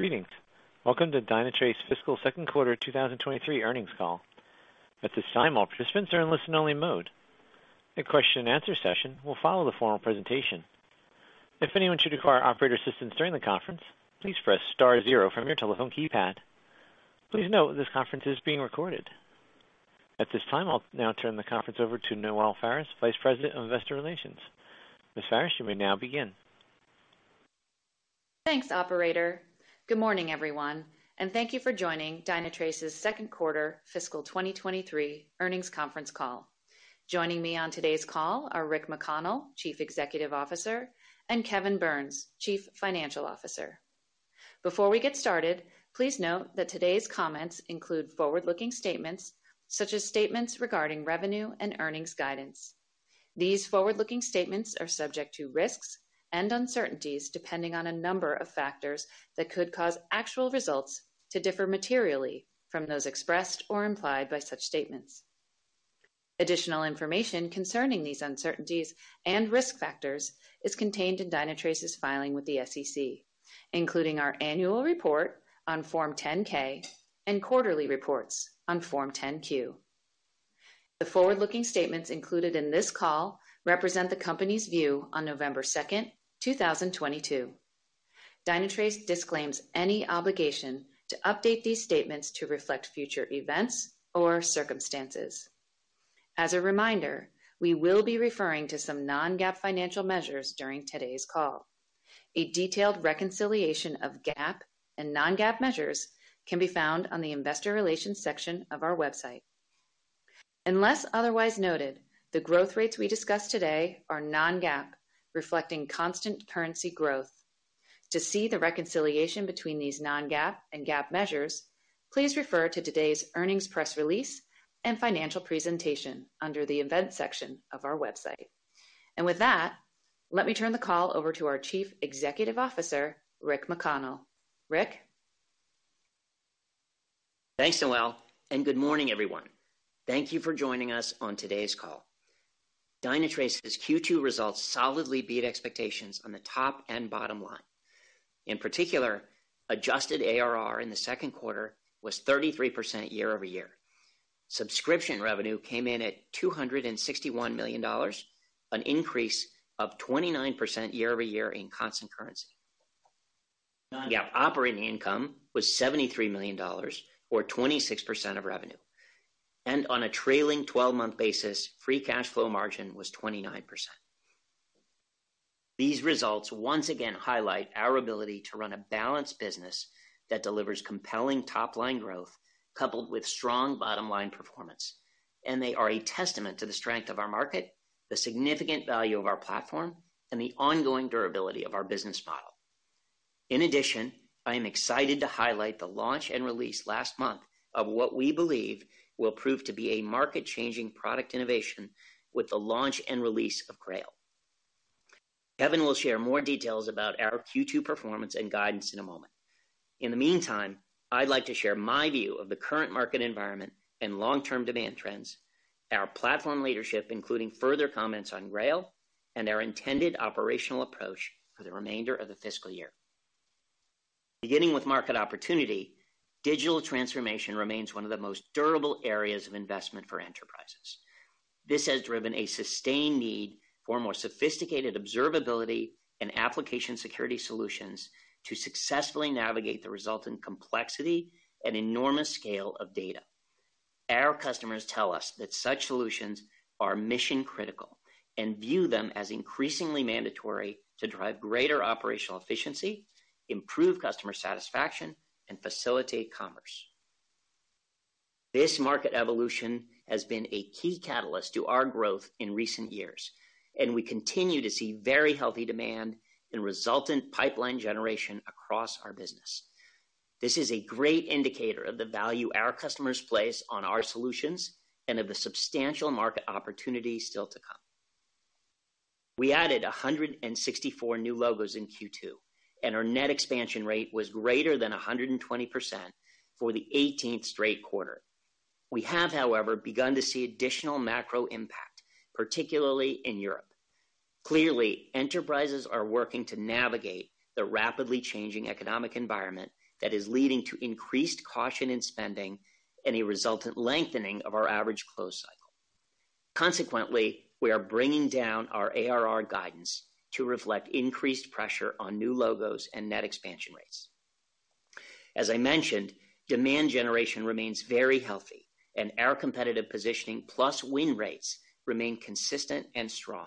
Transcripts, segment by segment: Greetings. Welcome to Dynatrace Fiscal Q2 2023 earnings call. At this time, all participants are in listen-only mode. A question and answer session will follow the formal presentation. If anyone should require operator assistance during the conference, please press star zero from your telephone keypad. Please note this conference is being recorded. At this time, I'll now turn the conference over to Noelle Faris, Vice President of Investor Relations. Ms. Faris, you may now begin. Thanks, operator. Good morning, everyone, and thank you for joining Dynatrace's Q2 fiscal 2023 earnings conference call. Joining me on today's call are Rick McConnell, Chief Executive Officer, and Kevin Burns, Chief Financial Officer. Before we get started, please note that today's comments include forward-looking statements such as statements regarding revenue and earnings guidance. These forward-looking statements are subject to risks and uncertainties, depending on a number of factors that could cause actual results to differ materially from those expressed or implied by such statements. Additional information concerning these uncertainties and risk factors is contained in Dynatrace's filing with the SEC, including our annual report on Form 10-K and quarterly reports on Form 10-Q. The forward-looking statements included in this call represent the company's view on November 2, 2022. Dynatrace disclaims any obligation to update these statements to reflect future events or circumstances. As a reminder, we will be referring to some non-GAAP financial measures during today's call. A detailed reconciliation of GAAP and non-GAAP measures can be found on the investor relations section of our website. Unless otherwise noted, the growth rates we discussed today are non-GAAP, reflecting constant currency growth. To see the reconciliation between these non-GAAP and GAAP measures, please refer to today's earnings press release and financial presentation under the events section of our website. With that, let me turn the call over to our Chief Executive Officer, Rick McConnell. Rick? Thanks, Noelle, and good morning, everyone. Thank you for joining us on today's call. Dynatrace's Q2 results solidly beat expectations on the top and bottom line. In particular, adjusted ARR in the Q2 was 33% year-over-year. Subscription revenue came in at $261 million, an increase of 29% year-over-year in constant currency. Non-GAAP operating income was $73 million, or 26% of revenue. On a trailing twelve-month basis, free cash flow margin was 29%. These results once again highlight our ability to run a balanced business that delivers compelling top-line growth coupled with strong bottom-line performance. They are a testament to the strength of our market, the significant value of our platform, and the ongoing durability of our business model. In addition, I am excited to highlight the launch and release last month of what we believe will prove to be a market-changing product innovation with the launch and release of Grail. Kevin will share more details about our Q2 performance and guidance in a moment. In the meantime, I'd like to share my view of the current market environment and long-term demand trends, our platform leadership, including further comments on Grail and our intended operational approach for the remainder of the fiscal year. Beginning with market opportunity, digital transformation remains one of the most durable areas of investment for enterprises. This has driven a sustained need for more sophisticated observability and application security solutions to successfully navigate the resultant complexity and enormous scale of data. Our customers tell us that such solutions are mission critical and view them as increasingly mandatory to drive greater operational efficiency, improve customer satisfaction, and facilitate commerce. This market evolution has been a key catalyst to our growth in recent years, and we continue to see very healthy demand and resultant pipeline generation across our business. This is a great indicator of the value our customers place on our solutions and of the substantial market opportunity still to come. We added 164 new logos in Q2, and our net expansion rate was greater than 120% for the eighteenth straight quarter. We have, however, begun to see additional macro impact, particularly in Europe. Clearly, enterprises are working to navigate the rapidly changing economic environment that is leading to increased caution in spending and a resultant lengthening of our average close cycle. Consequently, we are bringing down our ARR guidance to reflect increased pressure on new logos and net expansion rates. As I mentioned, demand generation remains very healthy and our competitive positioning plus win rates remain consistent and strong.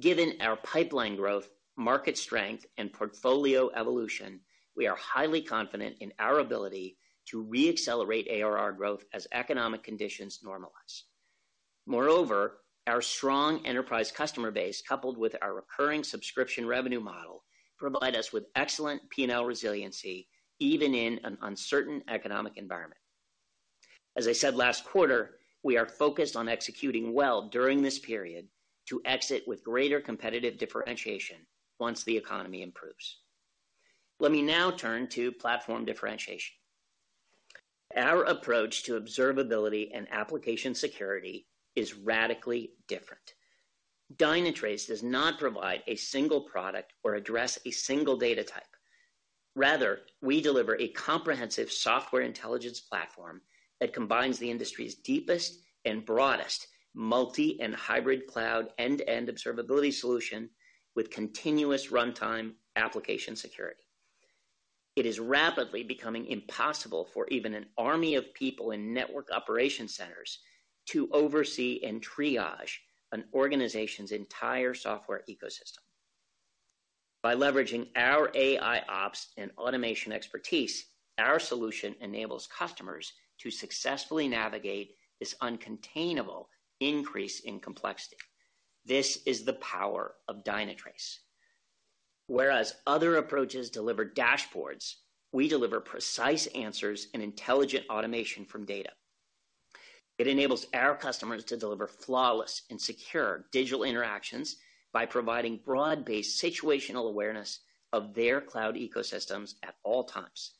Given our pipeline growth, market strength, and portfolio evolution, we are highly confident in our ability to re-accelerate ARR growth as economic conditions normalize. Moreover, our strong enterprise customer base, coupled with our recurring subscription revenue model, provide us with excellent P&L resiliency even in an uncertain economic environment. As I said last quarter, we are focused on executing well during this period to exit with greater competitive differentiation once the economy improves. Let me now turn to platform differentiation. Our approach to observability and application security is radically different. Dynatrace does not provide a single product or address a single data type. Rather, we deliver a comprehensive software intelligence platform that combines the industry's deepest and broadest multi and hybrid cloud end-to-end observability solution with continuous runtime application security. It is rapidly becoming impossible for even an army of people in network operation centers to oversee and triage an organization's entire software ecosystem. By leveraging our AIOps and automation expertise, our solution enables customers to successfully navigate this uncontainable increase in complexity. This is the power of Dynatrace. Whereas other approaches deliver dashboards, we deliver precise answers and intelligent automation from data. It enables our customers to deliver flawless and secure digital interactions by providing broad-based situational awareness of their cloud ecosystems at all times,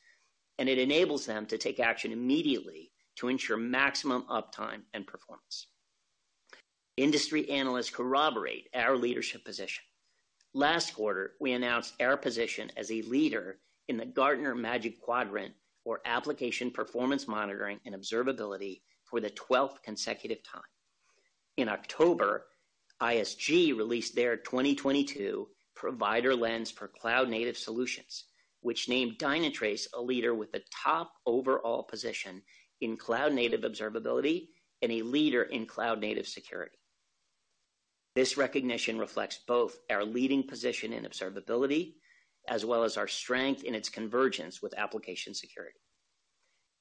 and it enables them to take action immediately to ensure maximum uptime and performance. Industry analysts corroborate our leadership position. Last quarter, we announced our position as a leader in the Gartner Magic Quadrant for Application Performance Monitoring and Observability for the twelfth consecutive time. In October, ISG released their 2022 Provider Lens for Cloud Native Solutions, which named Dynatrace a leader with the top overall position in cloud native observability and a leader in cloud native security. This recognition reflects both our leading position in observability as well as our strength in its convergence with application security.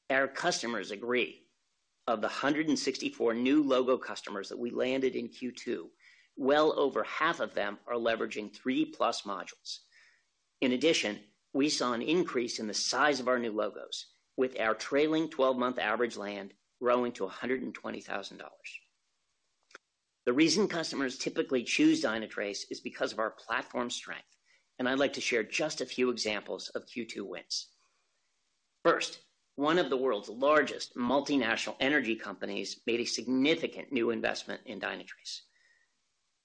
Our customers agree. Of the 164 new logo customers that we landed in Q2, well over half of them are leveraging 3+ modules. In addition, we saw an increase in the size of our new logos with our trailing 12-month average land growing to $120,000. The reason customers typically choose Dynatrace is because of our platform strength, and I'd like to share just a few examples of Q2 wins. First, one of the world's largest multinational energy companies made a significant new investment in Dynatrace.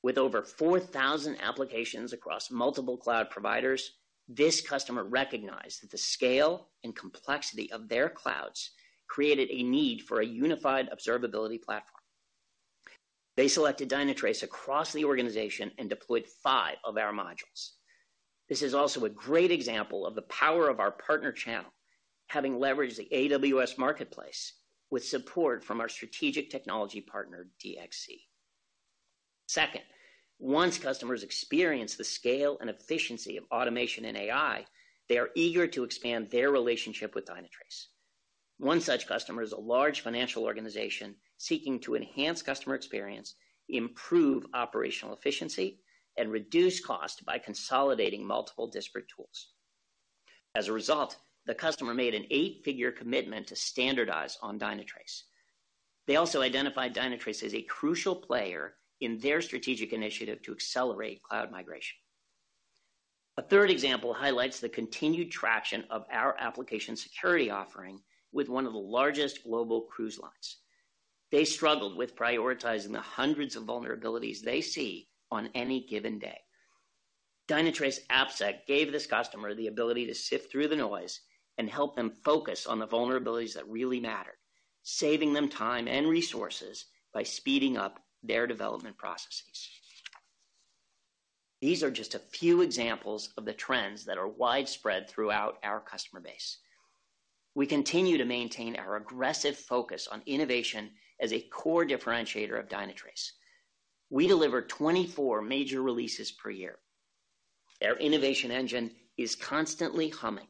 With over 4,000 applications across multiple cloud providers, this customer recognized that the scale and complexity of their clouds created a need for a unified observability platform. They selected Dynatrace across the organization and deployed five of our modules. This is also a great example of the power of our partner channel, having leveraged the AWS Marketplace with support from our strategic technology partner, DXC. Second, once customers experience the scale and efficiency of automation in AI, they are eager to expand their relationship with Dynatrace. One such customer is a large financial organization seeking to enhance customer experience, improve operational efficiency, and reduce cost by consolidating multiple disparate tools. As a result, the customer made an eight-figure commitment to standardize on Dynatrace. They also identified Dynatrace as a crucial player in their strategic initiative to accelerate cloud migration. A third example highlights the continued traction of our application security offering with one of the largest global cruise lines. They struggled with prioritizing the hundreds of vulnerabilities they see on any given day. Dynatrace AppSec gave this customer the ability to sift through the noise and help them focus on the vulnerabilities that really matter, saving them time and resources by speeding up their development processes. These are just a few examples of the trends that are widespread throughout our customer base. We continue to maintain our aggressive focus on innovation as a core differentiator of Dynatrace. We deliver 24 major releases per year. Our innovation engine is constantly humming,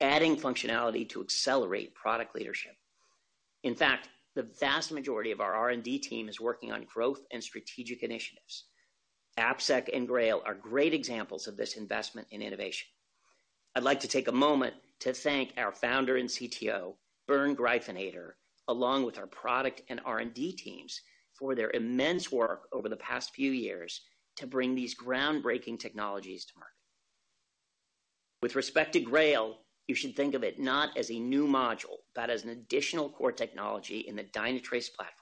adding functionality to accelerate product leadership. In fact, the vast majority of our R&D team is working on growth and strategic initiatives. AppSec and Grail are great examples of this investment in innovation. I'd like to take a moment to thank our founder and CTO, Bernd Greifeneder, along with our product and R&D teams, for their immense work over the past few years to bring these groundbreaking technologies to market. With respect to Grail, you should think of it not as a new module, but as an additional core technology in the Dynatrace platform.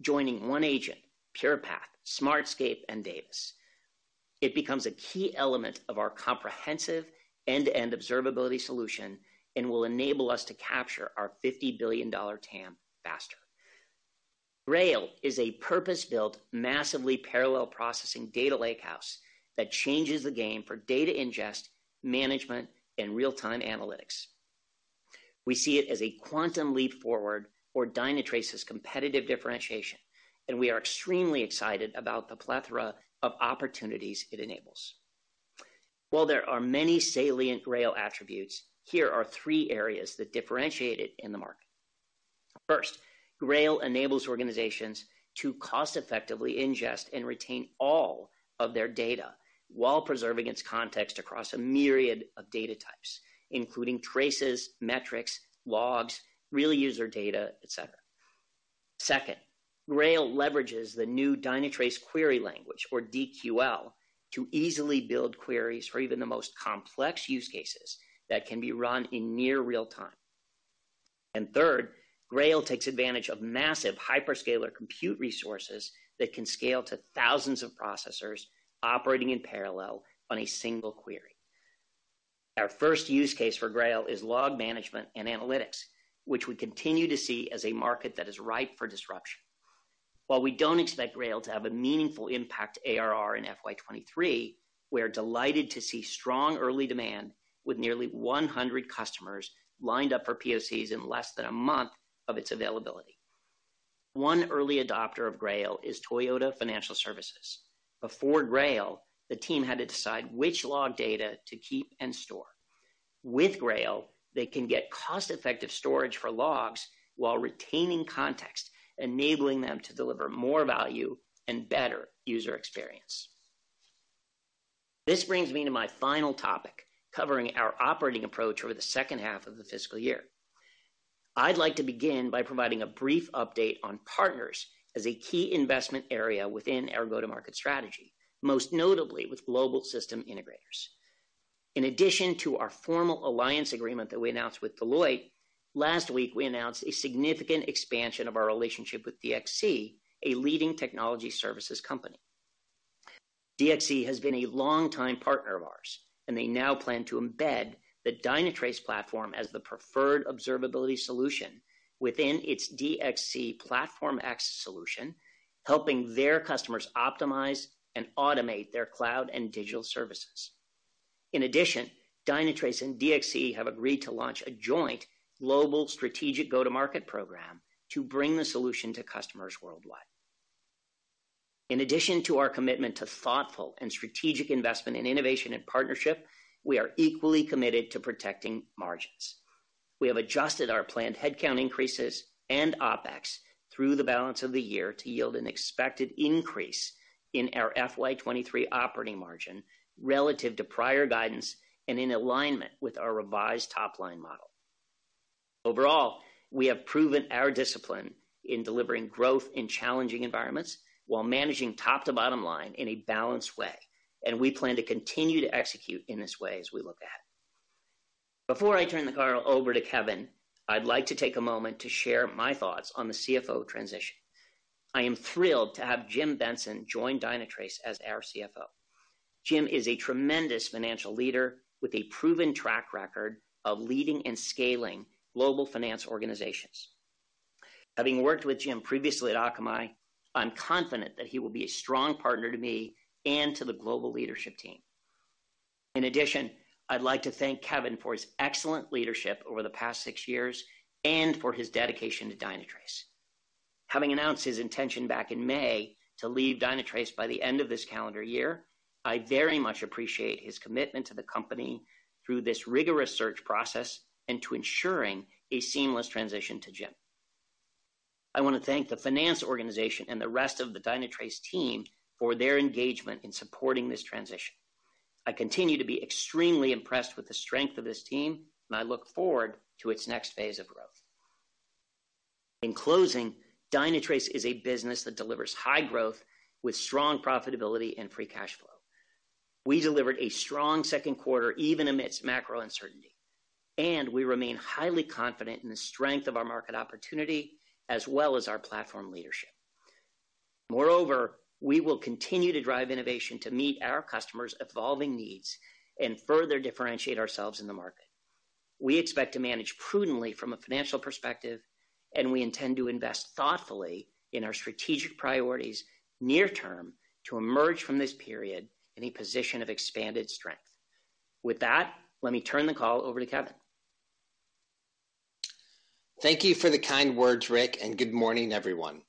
Joining OneAgent, PurePath, Smartscape, and Davis. It becomes a key element of our comprehensive end-to-end observability solution and will enable us to capture our $50 billion TAM faster. Grail is a purpose-built, massively parallel processing data lakehouse that changes the game for data ingest, management, and real-time analytics. We see it as a quantum leap forward for Dynatrace's competitive differentiation, and we are extremely excited about the plethora of opportunities it enables. While there are many salient Grail attributes, here are three areas that differentiate it in the market. First, Grail enables organizations to cost-effectively ingest and retain all of their data while preserving its context across a myriad of data types, including traces, metrics, logs, real user data, et cetera. Second, Grail leverages the new Dynatrace query language or DQL to easily build queries for even the most complex use cases that can be run in near real time. Third, Grail takes advantage of massive hyperscaler compute resources that can scale to thousands of processors operating in parallel on a single query. Our first use case for Grail is log management and analytics, which we continue to see as a market that is ripe for disruption. While we don't expect Grail to have a meaningful impact ARR in FY 2023, we're delighted to see strong early demand with nearly 100 customers lined up for POCs in less than a month of its availability. One early adopter of Grail is Toyota Financial Services. Before Grail, the team had to decide which log data to keep and store. With Grail, they can get cost-effective storage for logs while retaining context, enabling them to deliver more value and better user experience. This brings me to my final topic, covering our operating approach over the H2 of the fiscal year. I'd like to begin by providing a brief update on partners as a key investment area within our go-to-market strategy, most notably with global system integrators. In addition to our formal alliance agreement that we announced with Deloitte, last week we announced a significant expansion of our relationship with DXC, a leading technology services company. DXC has been a longtime partner of ours, and they now plan to embed the Dynatrace platform as the preferred observability solution within its DXC Platform X solution, helping their customers optimize and automate their cloud and digital services. In addition, Dynatrace and DXC have agreed to launch a joint global strategic go-to-market program to bring the solution to customers worldwide. In addition to our commitment to thoughtful and strategic investment in innovation and partnership, we are equally committed to protecting margins. We have adjusted our planned headcount increases and OpEx through the balance of the year to yield an expected increase in our FY 2023 operating margin relative to prior guidance and in alignment with our revised top-line model. Overall, we have proven our discipline in delivering growth in challenging environments while managing top to bottom line in a balanced way, and we plan to continue to execute in this way as we look ahead. Before I turn the call over to Kevin, I'd like to take a moment to share my thoughts on the CFO transition. I am thrilled to have Jim Benson join Dynatrace as our CFO. Jim is a tremendous financial leader with a proven track record of leading and scaling global finance organizations. Having worked with Jim previously at Akamai, I'm confident that he will be a strong partner to me and to the global leadership team. In addition, I'd like to thank Kevin for his excellent leadership over the past six years and for his dedication to Dynatrace. Having announced his intention back in May to leave Dynatrace by the end of this calendar year, I very much appreciate his commitment to the company through this rigorous search process and to ensuring a seamless transition to Jim. I want to thank the finance organization and the rest of the Dynatrace team for their engagement in supporting this transition. I continue to be extremely impressed with the strength of this team, and I look forward to its next phase of growth. In closing, Dynatrace is a business that delivers high growth with strong profitability and free cash flow. We delivered a strong Q2 even amidst macro uncertainty, and we remain highly confident in the strength of our market opportunity as well as our platform leadership. Moreover, we will continue to drive innovation to meet our customers' evolving needs and further differentiate ourselves in the market. We expect to manage prudently from a financial perspective, and we intend to invest thoughtfully in our strategic priorities near term to emerge from this period in a position of expanded strength. With that, let me turn the call over to Kevin. Thank you for the kind words, Rick, and good morning, everyone.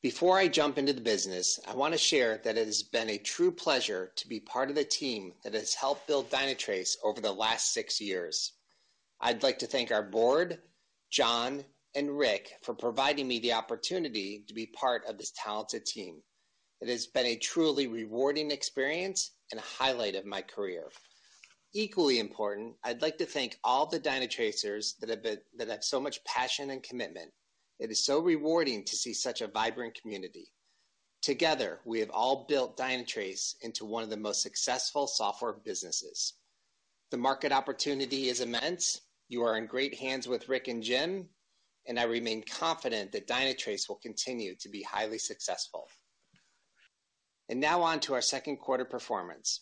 Before I jump into the business, I want to share that it has been a true pleasure to be part of the team that has helped build Dynatrace over the last six years. I'd like to thank our board, John, and Rick for providing me the opportunity to be part of this talented team. It has been a truly rewarding experience and a highlight of my career. Equally important, I'd like to thank all the Dynatracers that have so much passion and commitment. It is so rewarding to see such a vibrant community. Together, we have all built Dynatrace into one of the most successful software businesses. The market opportunity is immense. You are in great hands with Rick and Jim, and I remain confident that Dynatrace will continue to be highly successful. Now on to our Q2 performance.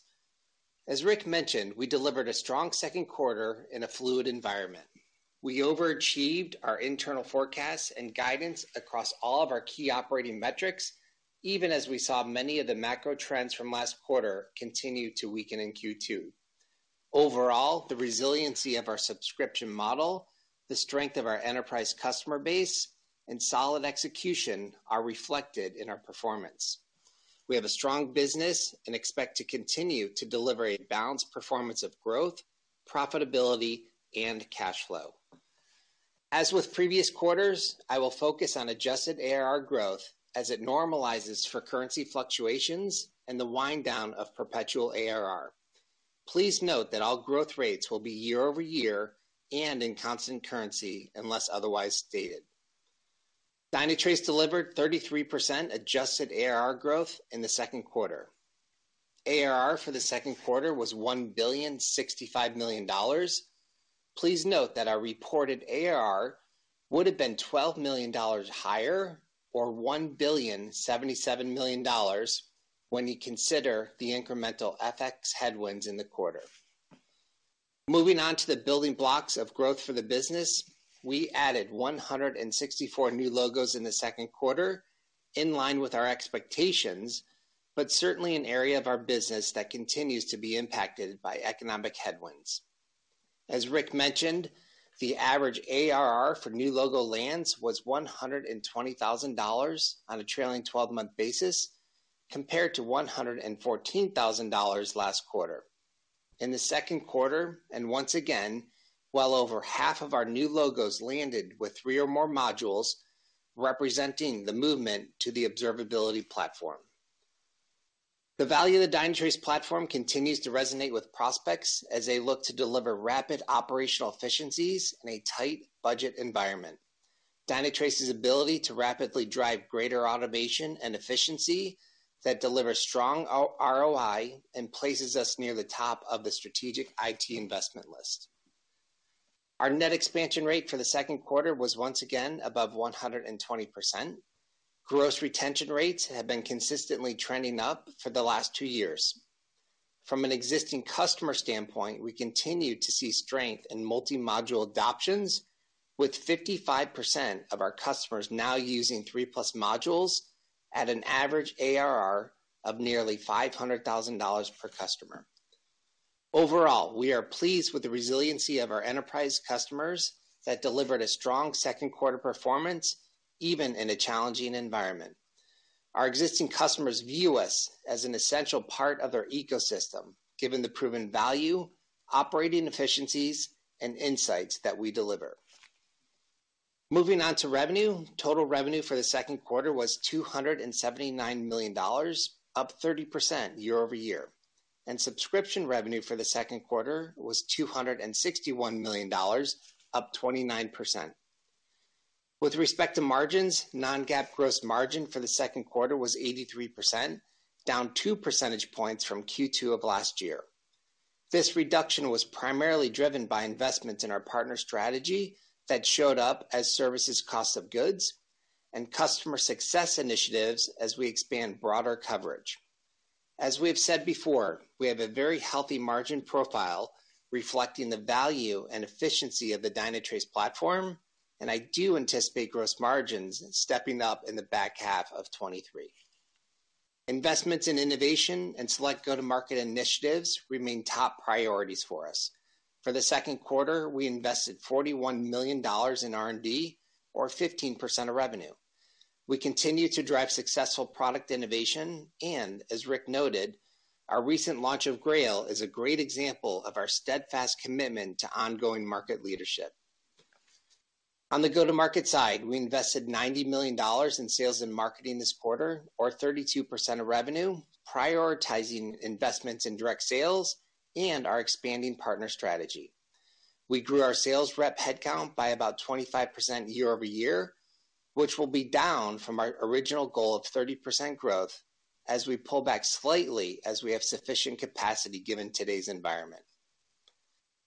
As Rick mentioned, we delivered a strong Q2 in a fluid environment. We overachieved our internal forecasts and guidance across all of our key operating metrics, even as we saw many of the macro trends from last quarter continue to weaken in Q2. Overall, the resiliency of our subscription model, the strength of our enterprise customer base, and solid execution are reflected in our performance. We have a strong business and expect to continue to deliver a balanced performance of growth, profitability, and cash flow. As with previous quarters, I will focus on adjusted ARR growth as it normalizes for currency fluctuations and the wind down of perpetual ARR. Please note that all growth rates will be year over year and in constant currency unless otherwise stated. Dynatrace delivered 33% adjusted ARR growth in the Q2. ARR for the Q2 was $1.065 billion. Please note that our reported ARR would have been $12 million higher, or $1.077 billion when you consider the incremental FX headwinds in the quarter. Moving on to the building blocks of growth for the business. We added 164 new logos in the Q2, in line with our expectations, but certainly an area of our business that continues to be impacted by economic headwinds. As Rick mentioned, the average ARR for new logo lands was $120,000 on a trailing twelve-month basis, compared to $114,000 last quarter. In the Q2, and once again, well over half of our new logos landed with three or more modules, representing the movement to the observability platform. The value of the Dynatrace platform continues to resonate with prospects as they look to deliver rapid operational efficiencies in a tight budget environment. Dynatrace's ability to rapidly drive greater automation and efficiency that delivers strong ROI and places us near the top of the strategic IT investment list. Our net expansion rate for the Q2 was once again above 120%. Gross retention rates have been consistently trending up for the last two years. From an existing customer standpoint, we continue to see strength in multi-module adoptions, with 55% of our customers now using three-plus modules at an average ARR of nearly $500,000 per customer. Overall, we are pleased with the resiliency of our enterprise customers that delivered a strong Q2 performance, even in a challenging environment. Our existing customers view us as an essential part of their ecosystem, given the proven value, operating efficiencies, and insights that we deliver. Moving on to revenue. Total revenue for the Q2 was $279 million, up 30% year-over-year, and subscription revenue for the Q2 was $261 million, up 29%. With respect to margins, non-GAAP gross margin for the Q2 was 83%, down two percentage points from Q2 of last year. This reduction was primarily driven by investments in our partner strategy that showed up as services cost of goods and customer success initiatives as we expand broader coverage. As we have said before, we have a very healthy margin profile reflecting the value and efficiency of the Dynatrace platform, and I do anticipate gross margins stepping up in the back half of 2023. Investments in innovation and select go-to-market initiatives remain top priorities for us. For the Q2, we invested $41 million in R&D, or 15% of revenue. We continue to drive successful product innovation, and as Rick noted, our recent launch of Grail is a great example of our steadfast commitment to ongoing market leadership. On the go-to-market side, we invested $90 million in sales and marketing this quarter, or 32% of revenue, prioritizing investments in direct sales and our expanding partner strategy. We grew our sales rep headcount by about 25% year-over-year, which will be down from our original goal of 30% growth as we pull back slightly as we have sufficient capacity given today's environment.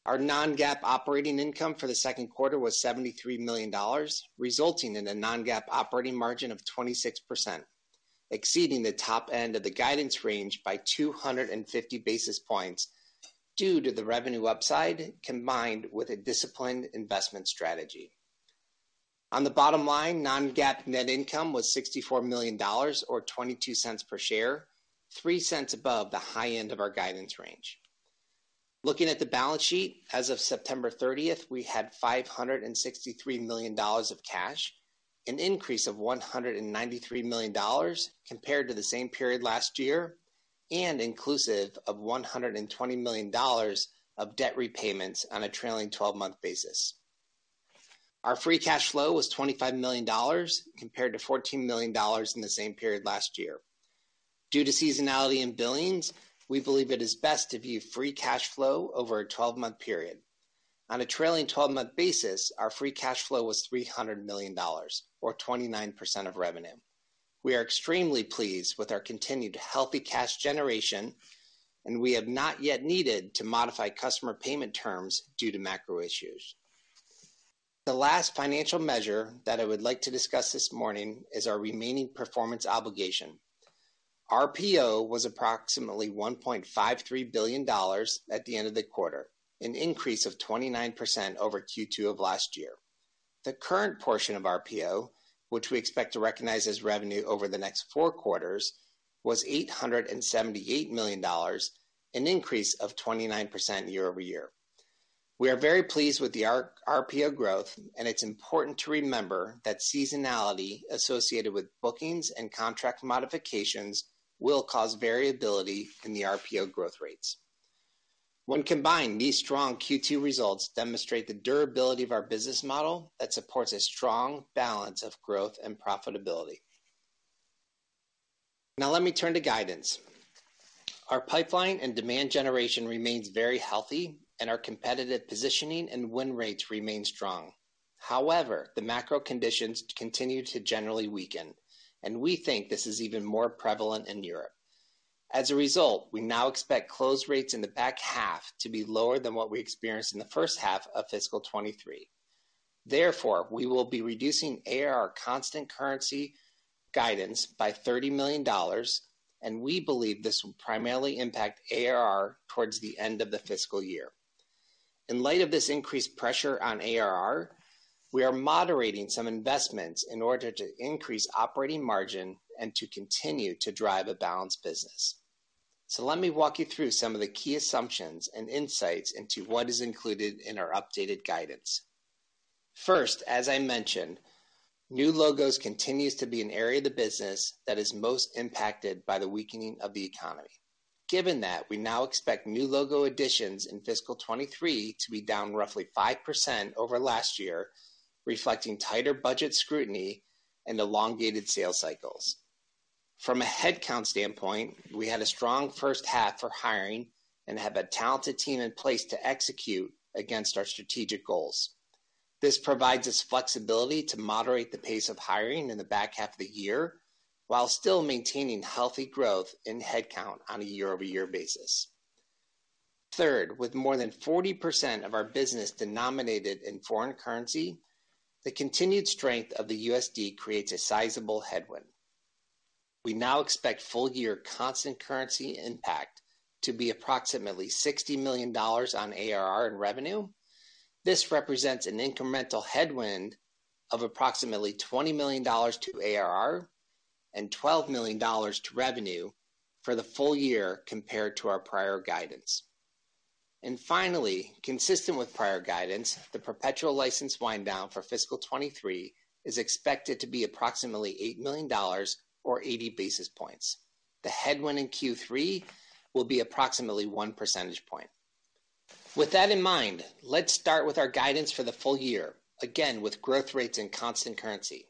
Our non-GAAP operating income for the Q2 was $73 million, resulting in a non-GAAP operating margin of 26%, exceeding the top end of the guidance range by 250 basis points due to the revenue upside combined with a disciplined investment strategy. On the bottom line, non-GAAP net income was $64 million or 22 cents per share, three cents above the high end of our guidance range. Looking at the balance sheet, as of September thirtieth, we had $563 million of cash, an increase of $193 million compared to the same period last year, and inclusive of $120 million of debt repayments on a trailing twelve-month basis. Our free cash flow was $25 million, compared to $14 million in the same period last year. Due to seasonality in billings, we believe it is best to view free cash flow over a 12-month period. On a trailing 12-month basis, our free cash flow was $300 million or 29% of revenue. We are extremely pleased with our continued healthy cash generation, and we have not yet needed to modify customer payment terms due to macro issues. The last financial measure that I would like to discuss this morning is our remaining performance obligation. RPO was approximately $1.53 billion at the end of the quarter, an increase of 29% over Q2 of last year. The current portion of RPO, which we expect to recognize as revenue over the next four quarters, was $878 million, an increase of 29% year-over-year. We are very pleased with the cRPO growth, and it's important to remember that seasonality associated with bookings and contract modifications will cause variability in the RPO growth rates. When combined, these strong Q2 results demonstrate the durability of our business model that supports a strong balance of growth and profitability. Now let me turn to guidance. Our pipeline and demand generation remains very healthy and our competitive positioning and win rates remain strong. However, the macro conditions continue to generally weaken, and we think this is even more prevalent in Europe. As a result, we now expect close rates in the back half to be lower than what we experienced in the H1 of fiscal 2023. Therefore, we will be reducing ARR constant currency guidance by $30 million, and we believe this will primarily impact ARR towards the end of the fiscal year. In light of this increased pressure on ARR, we are moderating some investments in order to increase operating margin and to continue to drive a balanced business. Let me walk you through some of the key assumptions and insights into what is included in our updated guidance. First, as I mentioned, new logos continues to be an area of the business that is most impacted by the weakening of the economy. Given that, we now expect new logo additions in fiscal 23 to be down roughly 5% over last year, reflecting tighter budget scrutiny and elongated sales cycles. From a headcount standpoint, we had a strong H1 for hiring and have a talented team in place to execute against our strategic goals. This provides us flexibility to moderate the pace of hiring in the back half of the year, while still maintaining healthy growth in headcount on a year-over-year basis. Third, with more than 40% of our business denominated in foreign currency, the continued strength of the USD creates a sizable headwind. We now expect full year constant currency impact to be approximately $60 million on ARR and revenue. This represents an incremental headwind of approximately $20 million to ARR and $12 million to revenue for the full year compared to our prior guidance. Finally, consistent with prior guidance, the perpetual license wind down for fiscal 2023 is expected to be approximately $8 million or 80 basis points. The headwind in Q3 will be approximately one percentage point. With that in mind, let's start with our guidance for the full year, again, with growth rates in constant currency.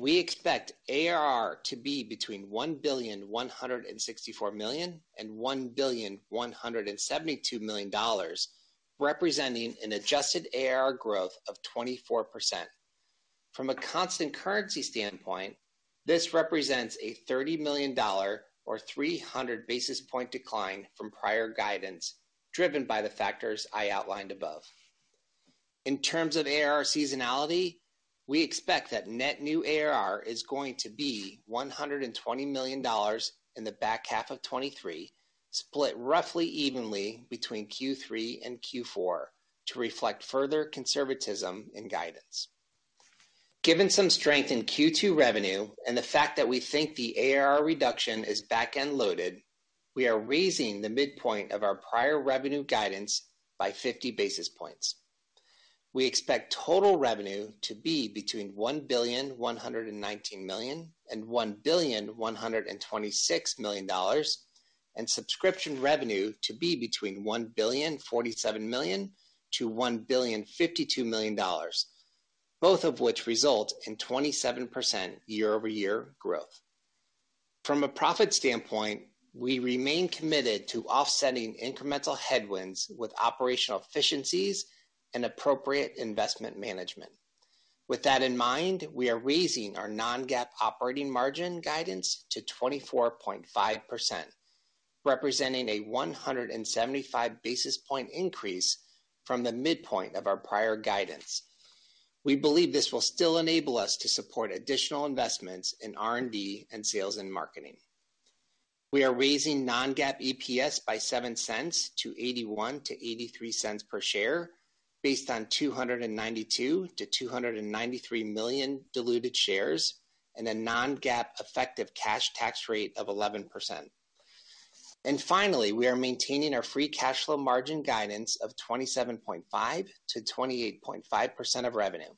We expect ARR to be between $1,164 million and $1,172 million, representing an adjusted ARR growth of 24%. From a constant currency standpoint, this represents a $30 million or 300 basis point decline from prior guidance, driven by the factors I outlined above. In terms of ARR seasonality, we expect that net new ARR is going to be $120 million in the back half of 2023, split roughly evenly between Q3 and Q4 to reflect further conservatism in guidance. Given some strength in Q2 revenue and the fact that we think the ARR reduction is back-end loaded, we are raising the midpoint of our prior revenue guidance by 50 basis points. We expect total revenue to be between $1.119 billion and $1.126 billion, and subscription revenue to be between $1.047-$1.052 billion, both of which result in 27% year-over-year growth. From a profit standpoint, we remain committed to offsetting incremental headwinds with operational efficiencies and appropriate investment management. With that in mind, we are raising our non-GAAP operating margin guidance to 24.5%, representing a 175-basis point increase from the midpoint of our prior guidance. We believe this will still enable us to support additional investments in R&D and sales and marketing. We are raising non-GAAP EPS by 7 cents to $0.81-$0.83 per share based on 292-293 million diluted shares and a non-GAAP effective cash tax rate of 11%. Finally, we are maintaining our free cash flow margin guidance of 27.5%-28.5% of revenue.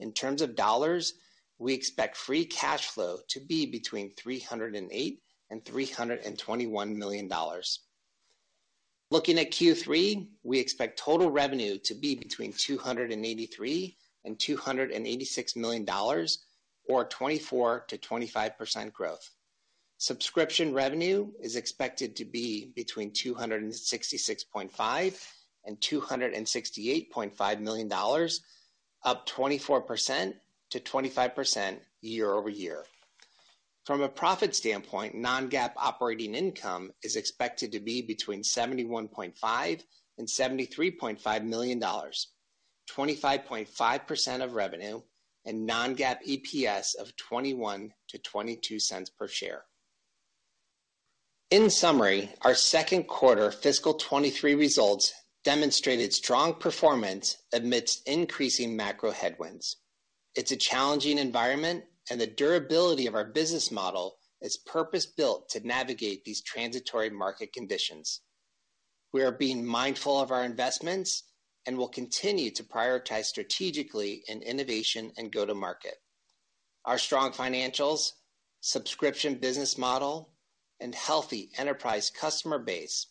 In terms of dollars, we expect free cash flow to be between $308 million and $321 million. Looking at Q3, we expect total revenue to be between $283 million and $286 million or 24%-25% growth. Subscription revenue is expected to be between $266.5 million and $268.5 million, up 24%-25% year-over-year. From a profit standpoint, non-GAAP operating income is expected to be between $71.5 million and $73.5 million, 25.5% of revenue and non-GAAP EPS of $0.21-$0.22 per share. In summary, our Q2 fiscal 2023 results demonstrated strong performance amidst increasing macro headwinds. It's a challenging environment and the durability of our business model is purpose-built to navigate these transitory market conditions. We are being mindful of our investments and will continue to prioritize strategically in innovation and go to market. Our strong financials, subscription business model, and healthy enterprise customer base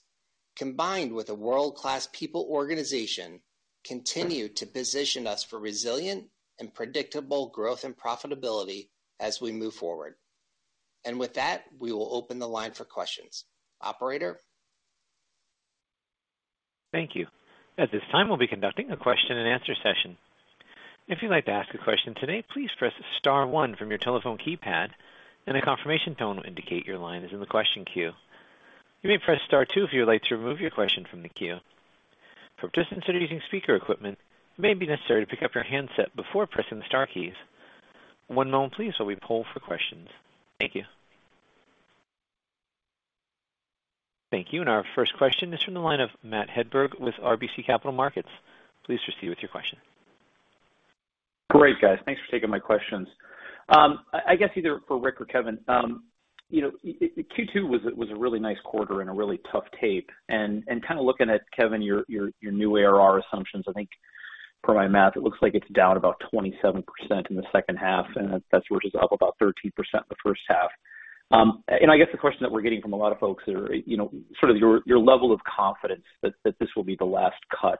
Combined with a world-class people organization continue to position us for resilient and predictable growth and profitability as we move forward. With that, we will open the line for questions. Operator? Thank you. At this time, we'll be conducting a question-and-answer session. If you'd like to ask a question today, please press star one from your telephone keypad and a confirmation tone will indicate your line is in the question queue. You may press star two if you would like to remove your question from the queue. For participants that are using speaker equipment, it may be necessary to pick up your handset before pressing the star keys. One moment please while we poll for questions. Thank you. Thank you. Our first question is from the line of Matthew Hedberg with RBC Capital Markets. Please proceed with your question. Great, guys. Thanks for taking my questions. I guess either for Rick or Kevin, you know, Q2 was a really nice quarter and a really tough tape and kind of looking at, Kevin, your new ARR assumptions, I think per my math, it looks like it's down about 27% in the H2, and that's versus up about 13% in the H1. I guess the question that we're getting from a lot of folks are, you know, sort of your level of confidence that this will be the last cut.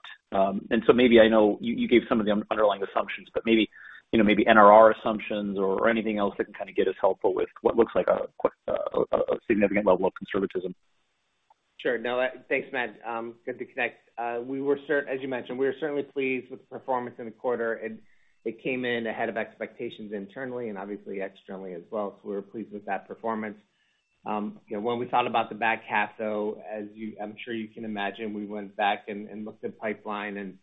Maybe I know you gave some of the underlying assumptions, but maybe, you know, maybe NRR assumptions or anything else that can kind of get us helpful with what looks like a significant level of conservatism. Sure. No, Thanks, Matt. Good to connect. As you mentioned, we were certainly pleased with the performance in the quarter, and it came in ahead of expectations internally and obviously externally as well. We were pleased with that performance. You know, when we thought about the back half, though, I'm sure you can imagine, we went back and looked at pipeline and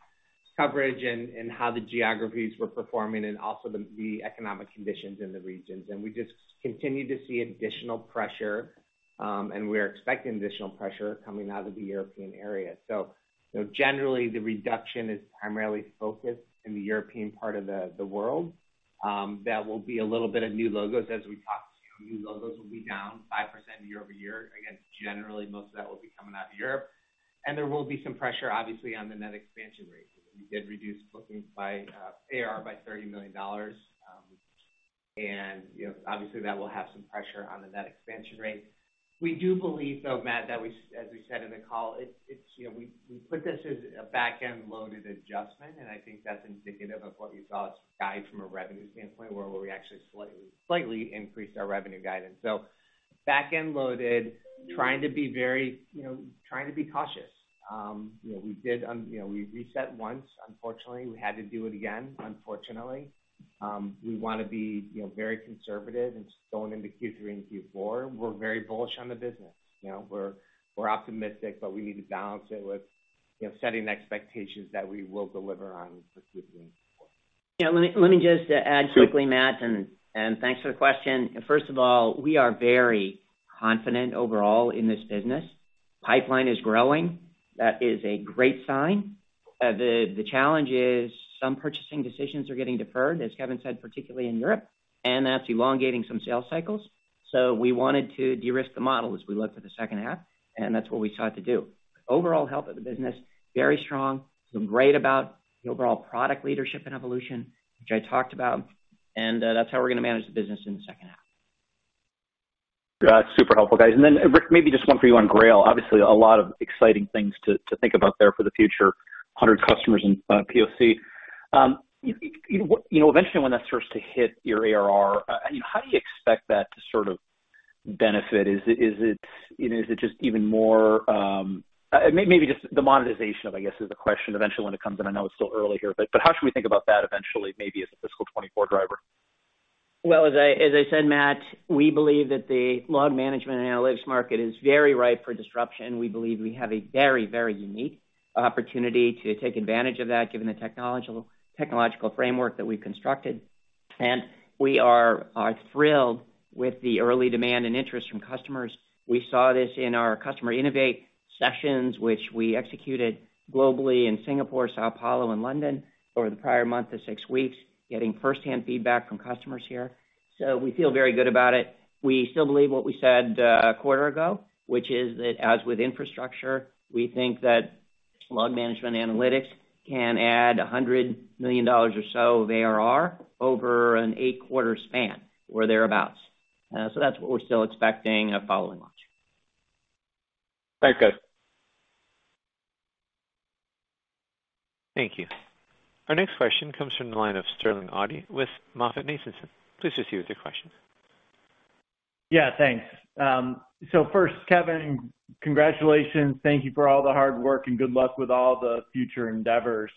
coverage and how the geographies were performing and also the economic conditions in the regions. We just continued to see additional pressure, and we're expecting additional pressure coming out of the European area. You know, generally the reduction is primarily focused on the European part of the world. That will be a little bit of new logos as we talk. New logos will be down 5% year-over-year. Again, generally, most of that will be coming out of Europe. There will be some pressure, obviously, on the net expansion rate. We did reduce bookings by ARR by $30 million. And you know, obviously that will have some pressure on the net expansion rate. We do believe, though, Matt, that we as we said in the call, it it's you know, we put this as a back end loaded adjustment, and I think that's indicative of what you saw us guide from a revenue standpoint, where we actually slightly increased our revenue guidance. Back-end loaded, trying to be very you know, trying to be cautious. You know, we did you know, we reset once. Unfortunately, we had to do it again, unfortunately. We want to be, you know, very conservative and going into Q3 and Q4, we're very bullish on the business. You know, we're optimistic, but we need to balance it with, you know, setting expectations that we will deliver on for Q3 and Q4. Yeah. Let me just add quickly, Matt, and thanks for the question. First of all, we are very confident overall in this business. Pipeline is growing. That is a great sign. The challenge is some purchasing decisions are getting deferred, as Kevin said, particularly in Europe, and that's elongating some sales cycles. We wanted to de-risk the model as we look for the H2, and that's what we sought to do. Overall health of the business, very strong. Feel great about the overall product leadership and evolution, which I talked about. That's how we're going to manage the business in the H2. Got it. Super helpful, guys. Rick, maybe just one for you on Grail. Obviously, a lot of exciting things to think about there for the future. 100 customers in POC. You know, eventually when that starts to hit your ARR, you know, how do you expect that to sort of benefit? Is it you know, is it just even more? Maybe just the monetization of, I guess, is the question eventually when it comes in. I know it's still early here, but how should we think about that eventually, maybe as a fiscal 2024 driver? Well, as I said, Matt, we believe that the log management analytics market is very ripe for disruption. We believe we have a very, very unique opportunity to take advantage of that given the technological framework that we've constructed. We are thrilled with the early demand and interest from customers. We saw this in our customer Innovate sessions, which we executed globally in Singapore, São Paulo, and London over the prior month to six weeks, getting firsthand feedback from customers here. We feel very good about it. We still believe what we said a quarter ago, which is that as with infrastructure, we think that log management analytics can add $100 million or so of ARR over an eight-quarter span or thereabouts. That's what we're still expecting following launch. Thanks, guys. Thank you. Our next question comes from the line of Sterling Auty with MoffettNathanson. Please proceed with your question. Yeah, thanks. So first, Kevin, congratulations. Thank you for all the hard work, and good luck with all the future endeavors.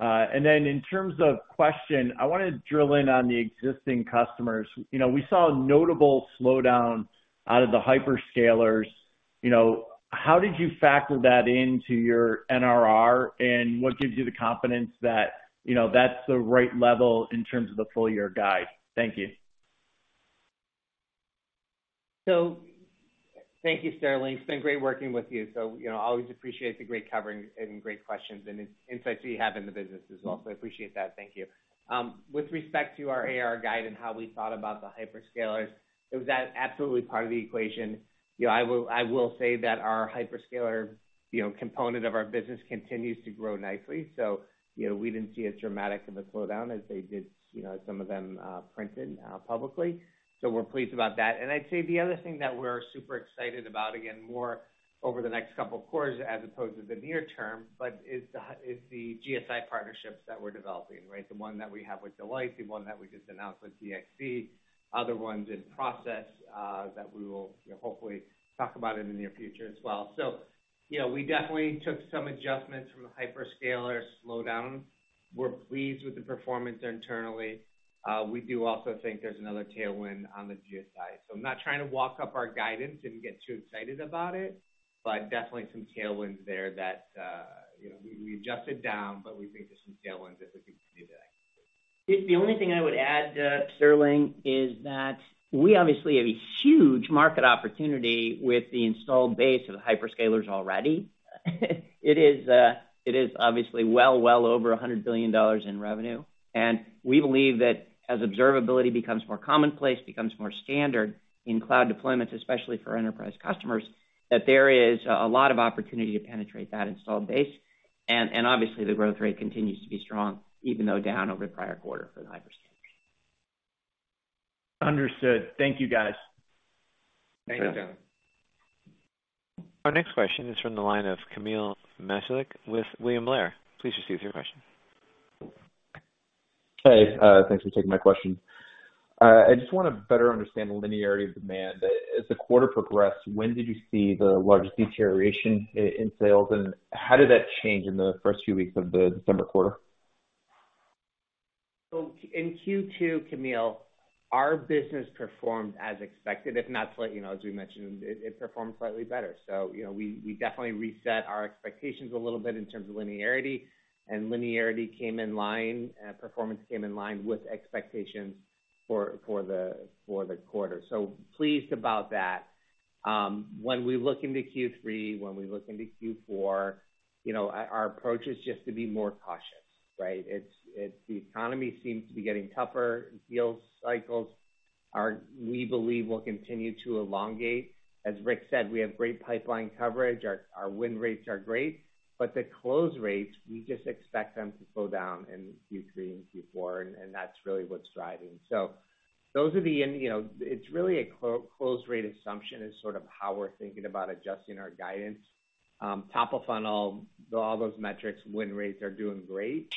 In terms of question, I want to drill in on the existing customers. You know, we saw a notable slowdown out of the hyperscalers. You know, how did you factor that into your NRR, and what gives you the confidence that, you know, that's the right level in terms of the full year guide? Thank you. So- Thank you, Sterling. It's been great working with you. You know, always appreciate the great coverage and great questions and insights that you have in the business as well. I appreciate that, thank you. With respect to our ARR guide and how we thought about the hyperscalers, it was absolutely part of the equation. You know, I will say that our hyperscaler, you know, component of our business continues to grow nicely. You know, we didn't see as dramatic of a slowdown as they did, you know, some of them printed publicly. We're pleased about that. I'd say the other thing that we're super excited about, again, more over the next couple of quarters as opposed to the near term, but it's the GSI partnerships that we're developing, right? The one that we have with Deloitte, the one that we just announced with DXC, other ones in process, that we will, you know, hopefully talk about it in the near future as well. You know, we definitely took some adjustments from the hyperscalers slowdown. We're pleased with the performance internally. We do also think there's another tailwind on the GSI. I'm not trying to walk up our guidance, didn't get too excited about it, but definitely some tailwinds there that, you know, we adjusted down, but we think there's some tailwinds that we can do that. The only thing I would add, Sterling, is that we obviously have a huge market opportunity with the installed base of the hyperscalers already. It is obviously well over $100 billion in revenue. We believe that as observability becomes more commonplace, becomes more standard in cloud deployments, especially for enterprise customers, that there is a lot of opportunity to penetrate that installed base. Obviously the growth rate continues to be strong, even though down over the prior quarter for the hyperscalers. Understood. Thank you, guys. Thank you, Sterling. Our next question is from the line of Kamil Mielczarek with William Blair. Please just use your question. Hey, thanks for taking my question. I just want to better understand the linearity of demand. As the quarter progressed, when did you see the largest deterioration in sales, and how did that change in the first few weeks of the December quarter? In Q2, Kamil, our business performed as expected. You know, as we mentioned, it performed slightly better. You know, we definitely reset our expectations a little bit in terms of linearity, and linearity came in line, performance came in line with expectations for the quarter. Pleased about that. When we look into Q3, when we look into Q4, you know, our approach is just to be more cautious, right? It's the economy seems to be getting tougher. Deal cycles, we believe, will continue to elongate. As Rick said, we have great pipeline coverage. Our win rates are great. The close rates, we just expect them to slow down in Q3 and Q4, and that's really what's driving. Those are the, you know, it's really a close rate assumption is sort of how we're thinking about adjusting our guidance. Top of funnel, all those metrics, win rates are doing great,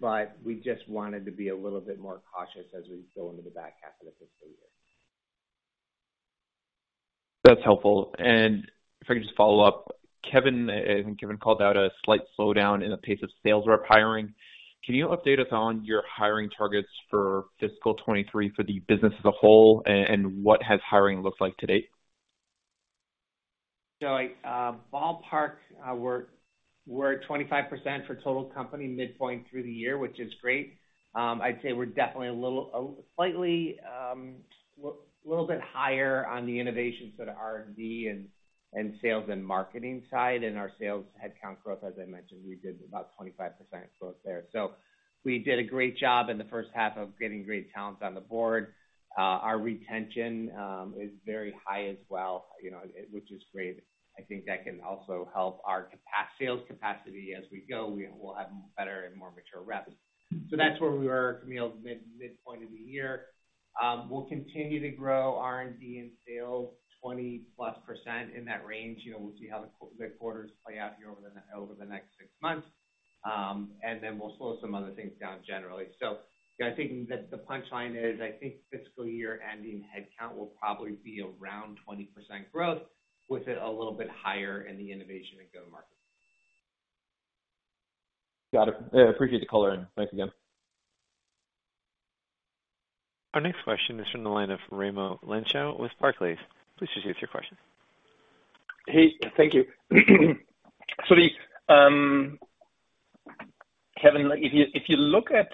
but we just wanted to be a little bit more cautious as we go into the back half of the fiscal year. That's helpful. If I could just follow up, Kevin, I think Kevin called out a slight slowdown in the pace of sales rep hiring. Can you update us on your hiring targets for fiscal 2023 for the business as a whole and what has hiring looked like to date? I ballpark we're at 25% for total company midpoint through the year, which is great. I'd say we're definitely a little slightly little bit higher on the innovation, so the R&D and sales and marketing side. Our sales headcount growth, as I mentioned, we did about 25% growth there. We did a great job in the H1 of getting great talent on the board. Our retention is very high as well, you know, which is great. I think that can also help our sales capacity as we go. We'll have better and more mature reps. That's where we were, Kamil, midpoint of the year. We'll continue to grow R&D and sales 20+% in that range. You know, we'll see how the quarters play out here over the next six months. We'll slow some other things down generally. I think that the punchline is, I think fiscal year ending headcount will probably be around 20% growth, with it a little bit higher in the innovation and go-to market. Got it. Yeah, appreciate the call in. Thanks again. Our next question is from the line of Raimo Lenschow with Barclays. Please just ask your question. Hey, thank you. Kevin, if you look at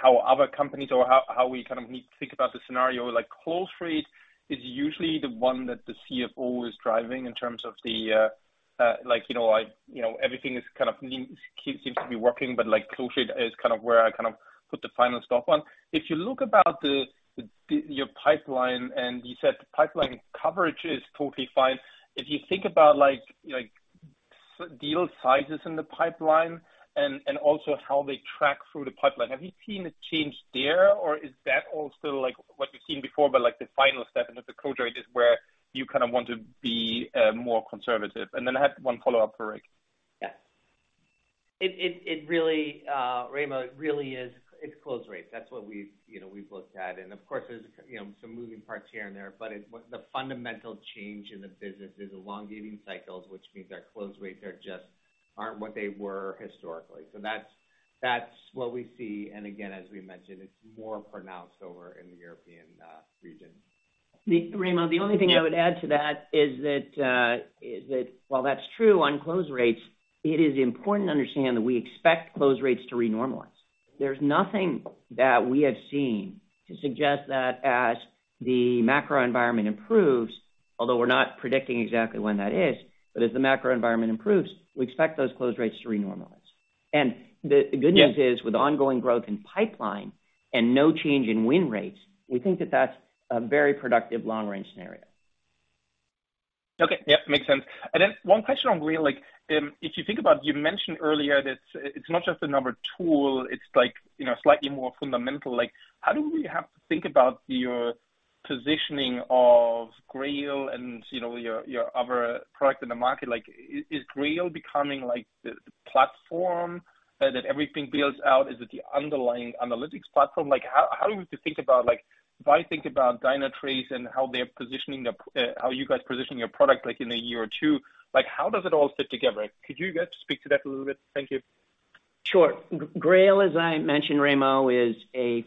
how other companies or how we kind of need to think about the scenario, like close rate is usually the one that the CFO is driving in terms of the, like, you know, everything kind of seems to be working, but like close rate is kind of where I kind of put the final stop on. If you look at your pipeline, and you said the pipeline coverage is totally fine. If you think about like deal sizes in the pipeline and also how they track through the pipeline, have you seen a change there, or is that all still like what you've seen before, but like the final step into the close rate is where you kind of want to be more conservative? Then I have one follow-up for Rick. Yeah. It really is, Raimo, it really is. It's close rates. That's what we've, you know, we've looked at. Of course, there's, you know, some moving parts here and there, but the fundamental change in the business is elongating cycles, which means our close rates are just what they were historically. That's what we see. Again, as we mentioned, it's more pronounced over in the European region. Raimo, the only thing I would add to that is that while that's true on close rates, it is important to understand that we expect close rates to re-normalize. There's nothing that we have seen to suggest that, although we're not predicting exactly when that is, as the macro environment improves, we expect those close rates to re-normalize. The good news. Yeah is with ongoing growth in pipeline and no change in win rates, we think that that's a very productive long-range scenario. Okay. Yep, makes sense. One question on Grail, like, if you think about. You mentioned earlier that it's not just a number tool, it's like, you know, slightly more fundamental. Like, how do we have to think about your positioning of Grail and, you know, your other product in the market? Like, is Grail becoming like the platform that everything builds out? Is it the underlying analytics platform? Like, how are we to think about, like, if I think about Dynatrace and how you guys positioning your product like in a year or two, like how does it all fit together? Could you guys speak to that a little bit? Thank you. Sure. Grail, as I mentioned, Remo, is a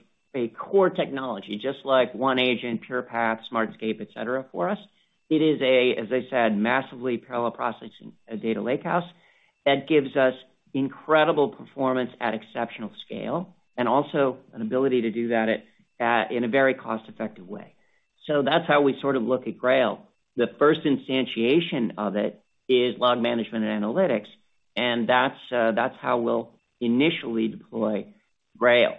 core technology, just like One Agent, Pure Path, Smartscape, et cetera, for us. It is, as I said, massively parallel processing data Lakehouse that gives us incredible performance at exceptional scale, and also an ability to do that in a very cost-effective way. That's how we sort of look at Grail. The first instantiation of it is log management and analytics, and that's how we'll initially deploy Grail.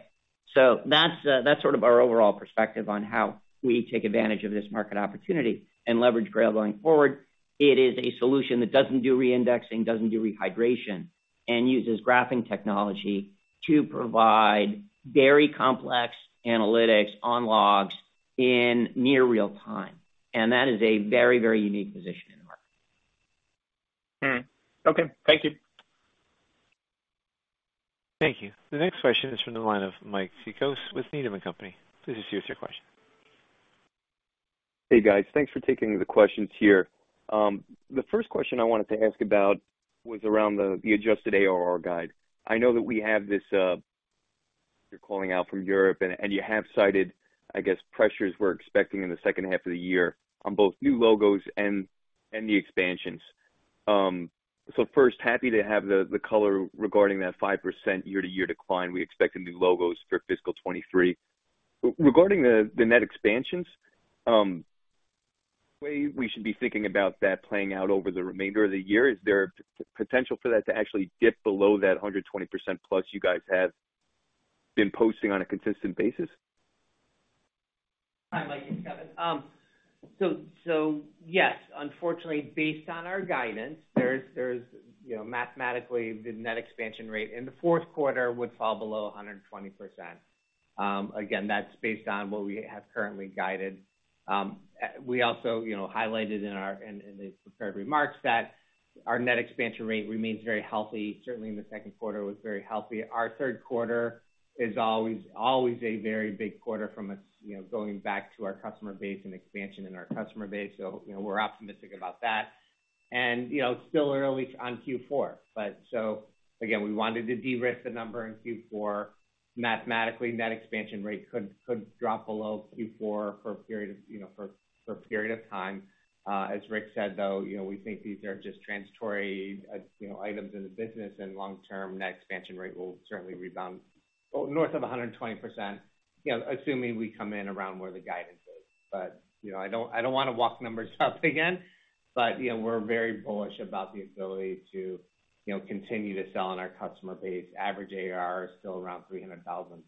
That's sort of our overall perspective on how we take advantage of this market opportunity and leverage Grail going forward. It is a solution that doesn't do re-indexing, doesn't do rehydration, and uses graphing technology to provide very complex analytics on logs in near real time. That is a very, very unique position in the market. Okay. Thank you. Thank you. The next question is from the line of Mike Cikos with Needham & Company. Please proceed with your question. Hey, guys. Thanks for taking the questions here. The first question I wanted to ask about was around the adjusted ARR guide. I know that we have this, you're calling out from Europe, and you have cited, I guess, pressures we're expecting in the H2 of the year on both new logos and the expansions. First, happy to have the color regarding that 5% year-to-year decline we expect in new logos for fiscal 2023. Regarding the net expansions, way we should be thinking about that playing out over the remainder of the year, is there potential for that to actually dip below that 120%+ you guys have been posting on a consistent basis? Hi, Mike. It's Kevin. Yes, unfortunately, based on our guidance, there's you know, mathematically the net expansion rate in the Q4 would fall below 120%. Again, that's based on what we have currently guided. We also you know, highlighted in the prepared remarks that our net expansion rate remains very healthy. Certainly in the Q2 was very healthy. Our Q3 is always a very big quarter from a you know, going back to our customer base and expansion in our customer base. We're optimistic about that. You know, still early on Q4. Again, we wanted to de-risk the number in Q4. Mathematically, net expansion rate could drop below in Q4 for a period of you know, for a period of time. As Rick said, though, you know, we think these are just transitory, you know, items in the business, and long term, net expansion rate will certainly rebound north of 120%, you know, assuming we come in around where the guidance is. You know, I don't want to walk numbers up again, but, you know, we're very bullish about the ability to, you know, continue to sell on our customer base. Average ARR is still around $300,000.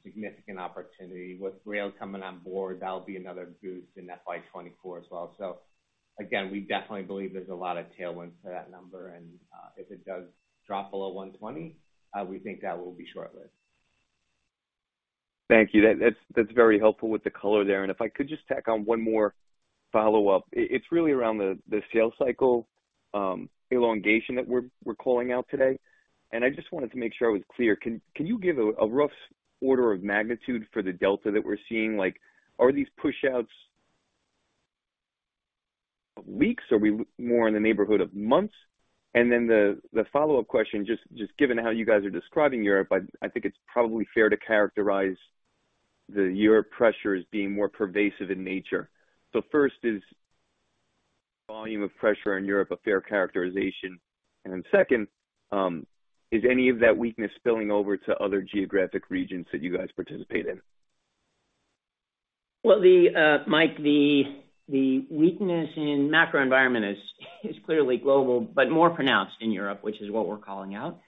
Significant opportunity. With Grail coming on board, that'll be another boost in FY 2024 as well. Again, we definitely believe there's a lot of tailwinds to that number, and, if it does drop below 120%, we think that will be short-lived. Thank you. That's very helpful with the color there. If I could just tack on one more follow-up. It's really around the sales cycle elongation that we're calling out today. I just wanted to make sure I was clear. Can you give a rough order of magnitude for the delta that we're seeing? Like, are these pushouts weeks? Are we more in the neighborhood of months? And then the follow-up question, just given how you guys are describing Europe, I think it's probably fair to characterize the Europe pressure as being more pervasive in nature. First, is volume of pressure in Europe a fair characterization? And then second, is any of that weakness spilling over to other geographic regions that you guys participate in? Well, Mike, the weakness in macro environment is clearly global, but more pronounced in Europe, which is what we're calling out.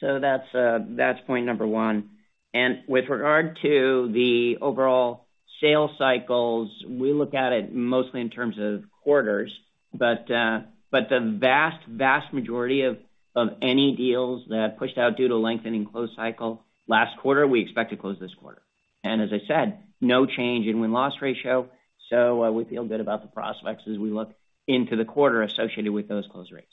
That's point number one. With regard to the overall sales cycles, we look at it mostly in terms of quarters, but the vast majority of any deals that pushed out due to lengthening close cycle last quarter, we expect to close this quarter. As I said, no change in win-loss ratio, so we feel good about the prospects as we look into the quarter associated with those close rates.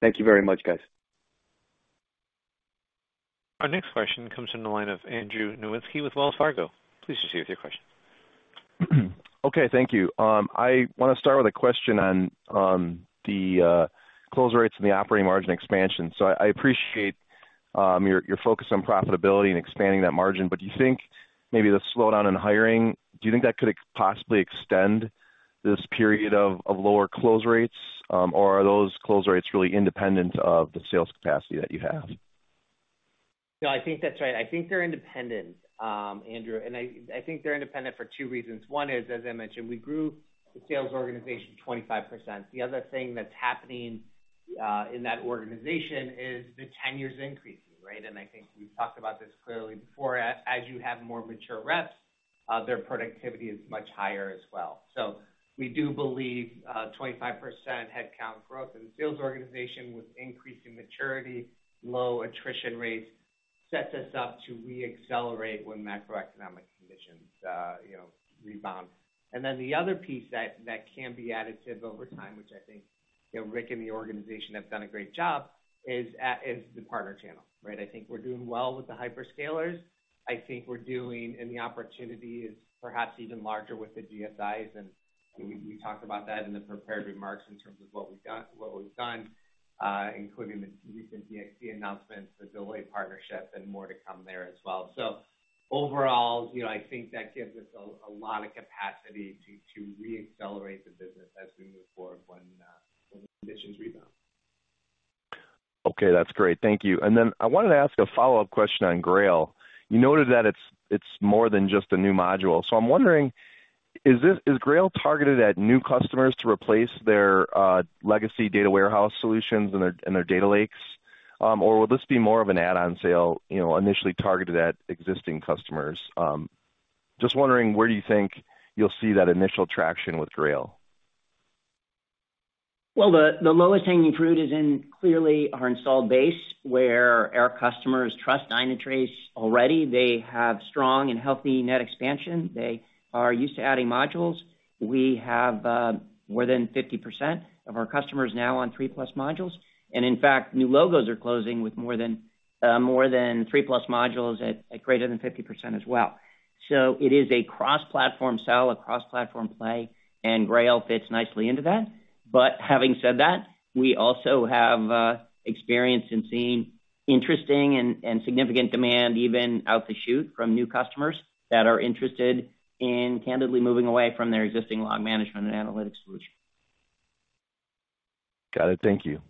Thank you very much, guys. Our next question comes from the line of Andrew Nowinski with Wells Fargo. Please proceed with your question. Okay, thank you. I want to start with a question on the close rates and the operating margin expansion. I appreciate your focus on profitability and expanding that margin. Do you think maybe the slowdown in hiring could possibly extend this period of lower close rates, or are those close rates really independent of the sales capacity that you have? No, I think that's right. I think they're independent, Andrew, and I think they're independent for two reasons. One is, as I mentioned, we grew the sales organization 25%. The other thing that's happening in that organization is the tenure is increasing, right? I think we've talked about this clearly before. As you have more mature reps, their productivity is much higher as well. We do believe 25% headcount growth in the sales organization with increasing maturity, low attrition rates sets us up to reaccelerate when macroeconomic conditions, you know, rebound. Then the other piece that can be additive over time, which I think, you know, Rick and the organization have done a great job, is the partner channel, right? I think we're doing well with the hyperscalers. I think we're doing and the opportunity is perhaps even larger with the GSIs, and we talked about that in the prepared remarks in terms of what we've got, what we've done, including the recent DXC announcements, the Deloitte partnership, and more to come there as well. Overall, you know, I think that gives us a lot of capacity to re-accelerate the business as we move forward when the conditions rebound. Okay, that's great. Thank you. I wanted to ask a follow-up question on Grail. You noted that it's more than just a new module. I'm wondering, is Grail targeted at new customers to replace their legacy data warehouse solutions and their data lakes? Or will this be more of an add-on sale, you know, initially targeted at existing customers? Just wondering where do you think you'll see that initial traction with Grail? The lowest hanging fruit is clearly in our installed base, where our customers trust Dynatrace already. They have strong and healthy net expansion. They are used to adding modules. We have more than 50% of our customers now on 3+ modules. In fact, new logos are closing with more than 3+ modules at greater than 50% as well. It is a cross-platform sell, a cross-platform play, and Grail fits nicely into that. Having said that, we also have experience in seeing interesting and significant demand even out of the chute from new customers that are interested in candidly moving away from their existing log management and analytics solution. Got it. Thank you.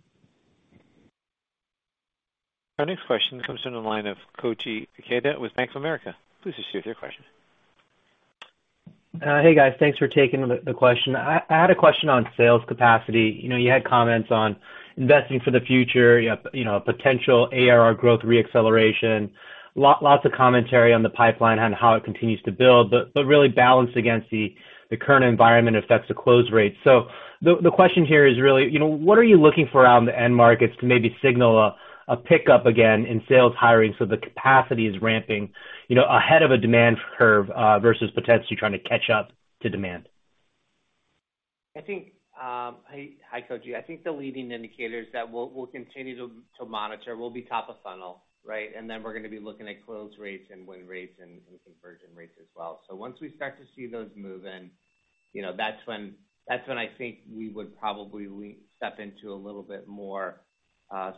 Our next question comes from the line of Koji Ikeda with Bank of America. Please proceed with your question. Hey, guys. Thanks for taking the question. I had a question on sales capacity. You know, you had comments on investing for the future. You have, you know, a potential ARR growth re-acceleration. Lots of commentary on the pipeline on how it continues to build, but really balanced against the current environment affects the close rate. So the question here is really, you know, what are you looking for out in the end markets to maybe signal a pickup again in sales hiring so the capacity is ramping, you know, ahead of a demand curve versus potentially trying to catch up to demand? I think, hi, Koji. I think the leading indicators that we'll continue to monitor will be top of funnel, right? Then we're going to be looking at close rates and win rates and conversion rates as well. Once we start to see those move in, you know, that's when I think we would probably restep into a little bit more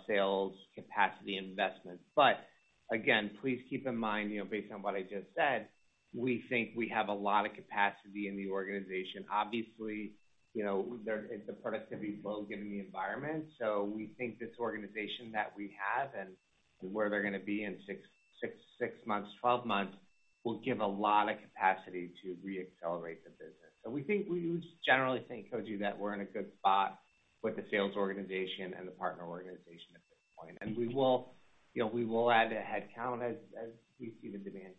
sales capacity investment. But again, please keep in mind, you know, based on what I just said, we think we have a lot of capacity in the organization. Obviously, you know, there is a productivity flow given the environment. We think this organization that we have and where they're going to be in six months, twelve months, will give a lot of capacity to re-accelerate the business. We think, we generally think, Koji, that we're in a good spot with the sales organization and the partner organization at this point. We will, you know, add a headcount as we see the demand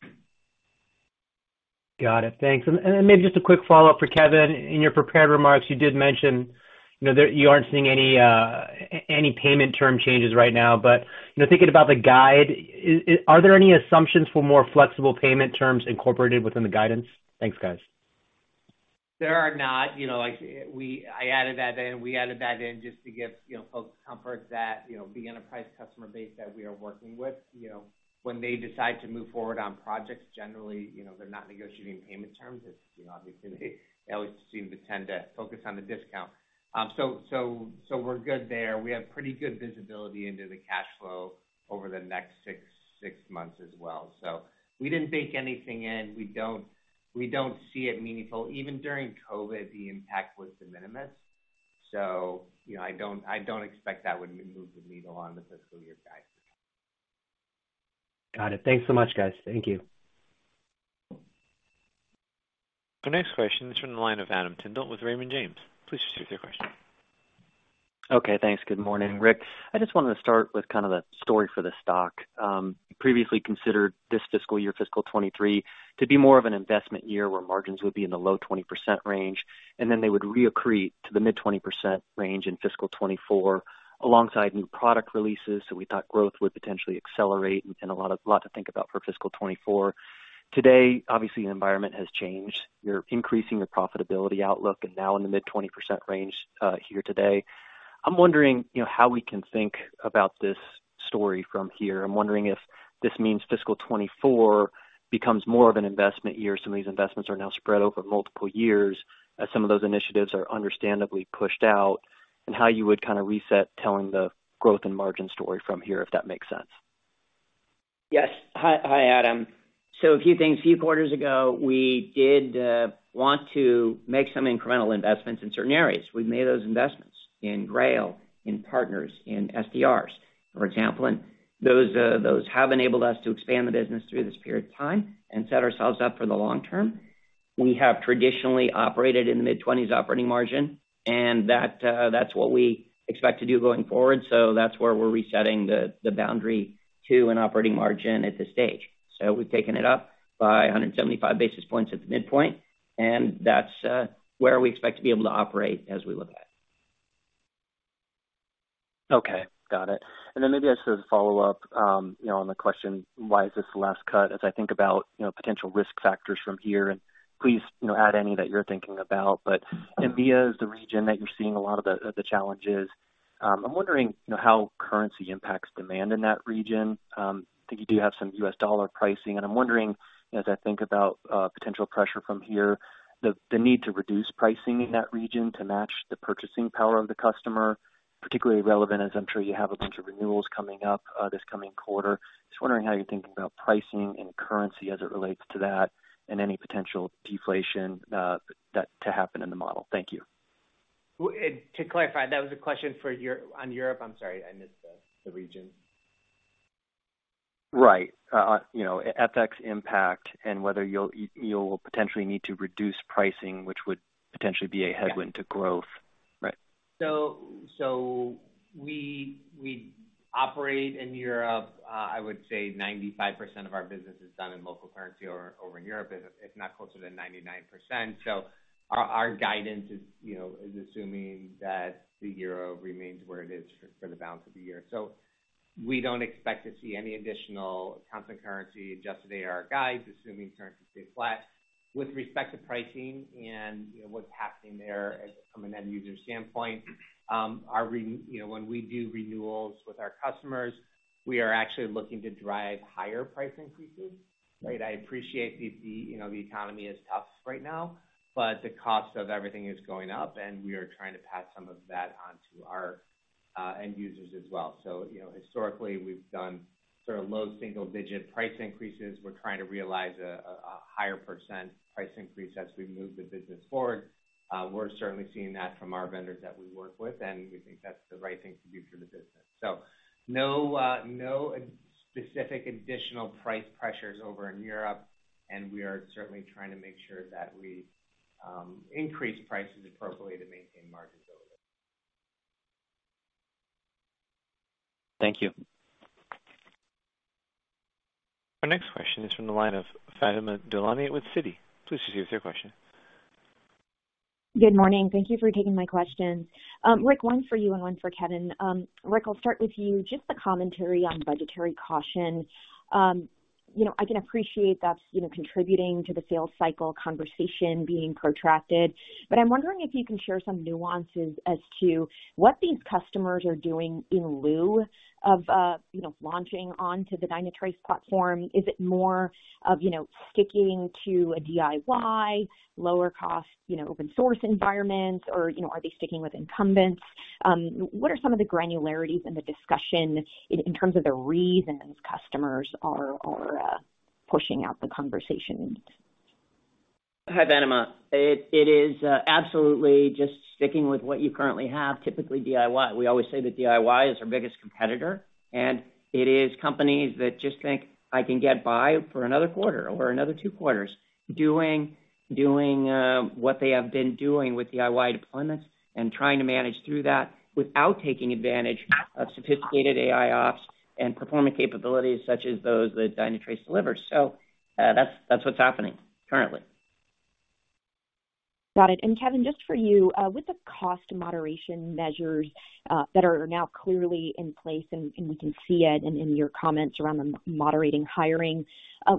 coming. Got it. Thanks. Then maybe just a quick follow-up for Kevin. In your prepared remarks, you did mention, you know, there you aren't seeing any payment term changes right now. You know, thinking about the guide, are there any assumptions for more flexible payment terms incorporated within the guidance? Thanks, guys. There are not. You know, I added that in, we added that in just to give, you know, folks comfort that, you know, the enterprise customer base that we are working with, you know, when they decide to move forward on projects, generally, you know, they're not negotiating payment terms. It's, you know, obviously they always seem to tend to focus on the discount. We're good there. We have pretty good visibility into the cash flow over the next six months as well. We didn't bake anything in. We don't see it meaningful. Even during COVID, the impact was de minimis. You know, I don't expect that would move the needle on the fiscal year guidance. Got it. Thanks so much, guys. Thank you. Our next question is from the line of Adam Tindle with Raymond James. Please proceed with your question. Okay, thanks. Good morning, Rick. I just wanted to start with kind of the story for the stock. Previously considered this fiscal year, fiscal 2023, to be more of an investment year where margins would be in the low 20% range, and then they would re-accrete to the mid-20% range in fiscal 2024 alongside new product releases. We thought growth would potentially accelerate, and a lot to think about for fiscal 2024. Today, obviously, the environment has changed. You're increasing your profitability outlook and now in the mid-20% range here today. I'm wondering, you know, how we can think about this story from here. I'm wondering if this means fiscal 2024 becomes more of an investment year, some of these investments are now spread over multiple years, some of those initiatives are understandably pushed out, and how you would kind of reset telling the growth and margin story from here, if that makes sense. Yes. Hi, Adam. A few things. A few quarters ago, we did want to make some incremental investments in certain areas. We've made those investments in Grail, in partners, in SDRs, for example, and those have enabled us to expand the business through this period of time and set ourselves up for the long term. We have traditionally operated in the mid-twenties operating margin, and that's what we expect to do going forward. That's where we're resetting the boundary to an operating margin at this stage. We've taken it up by 175 basis points at the midpoint, and that's where we expect to be able to operate as we look ahead. Okay, got it. Maybe I just as a follow-up, you know, on the question, why is this the last cut, as I think about, you know, potential risk factors from here, and please, you know, add any that you're thinking about. EMEA is the region that you're seeing a lot of the challenges. I'm wondering, you know, how currency impacts demand in that region. I think you do have some US dollar pricing, and I'm wondering, as I think about, potential pressure from here, the need to reduce pricing in that region to match the purchasing power of the customer, particularly relevant, as I'm sure you have a bunch of renewals coming up, this coming quarter. Just wondering how you're thinking about pricing and currency as it relates to that and any potential deflation to happen in the model. Thank you. Well, to clarify, that was a question for Europe? I'm sorry, I missed the region. Right. You know, FX impact and whether you'll potentially need to reduce pricing, which would potentially be a headwind to growth. Right. We operate in Europe. I would say 95% of our business is done in local currency or over in Europe, if not closer to 99%. Our guidance is, you know, assuming that the euro remains where it is for the balance of the year. We don't expect to see any additional constant currency adjusted ARR guidance, assuming currency stays flat. With respect to pricing and, you know, what's happening there from an end user standpoint, you know, when we do renewals with our customers, we are actually looking to drive higher price increases, right? I appreciate the economy is tough right now, but the cost of everything is going up, and we are trying to pass some of that onto our end users as well. You know, historically, we've done sort of low single-digit price increases. We're trying to realize a higher percent price increase as we move the business forward. We're certainly seeing that from our vendors that we work with, and we think that's the right thing to do for the business. No specific additional price pressures over in Europe, and we are certainly trying to make sure that we increase prices appropriately to maintain margins over there. Thank you. Our next question is from the line of Fatima Boolani with Citi. Please proceed with your question. Good morning. Thank you for taking my question. Rick, one for you and one for Kevin. Rick, I'll start with you. Just a commentary on budgetary caution. You know, I can appreciate that's, you know, contributing to the sales cycle conversation being protracted, but I'm wondering if you can share some nuances as to what these customers are doing in lieu of you know, launching onto the Dynatrace platform. Is it more of you know, sticking to a DIY, lower cost you know, open source environments or you know, are they sticking with incumbents? What are some of the granularities in the discussion in terms of the reasons customers are pushing out the conversation? Hi, Fatima. It is absolutely just sticking with what you currently have, typically DIY. We always say that DIY is our biggest competitor, and it is companies that just think I can get by for another quarter or another two quarters doing what they have been doing with DIY deployments and trying to manage through that without taking advantage of sophisticated AIOps and performance capabilities such as those that Dynatrace delivers. That's what's happening currently. Got it. Kevin, just for you, with the cost moderation measures that are now clearly in place, and we can see it in your comments around the moderating hiring,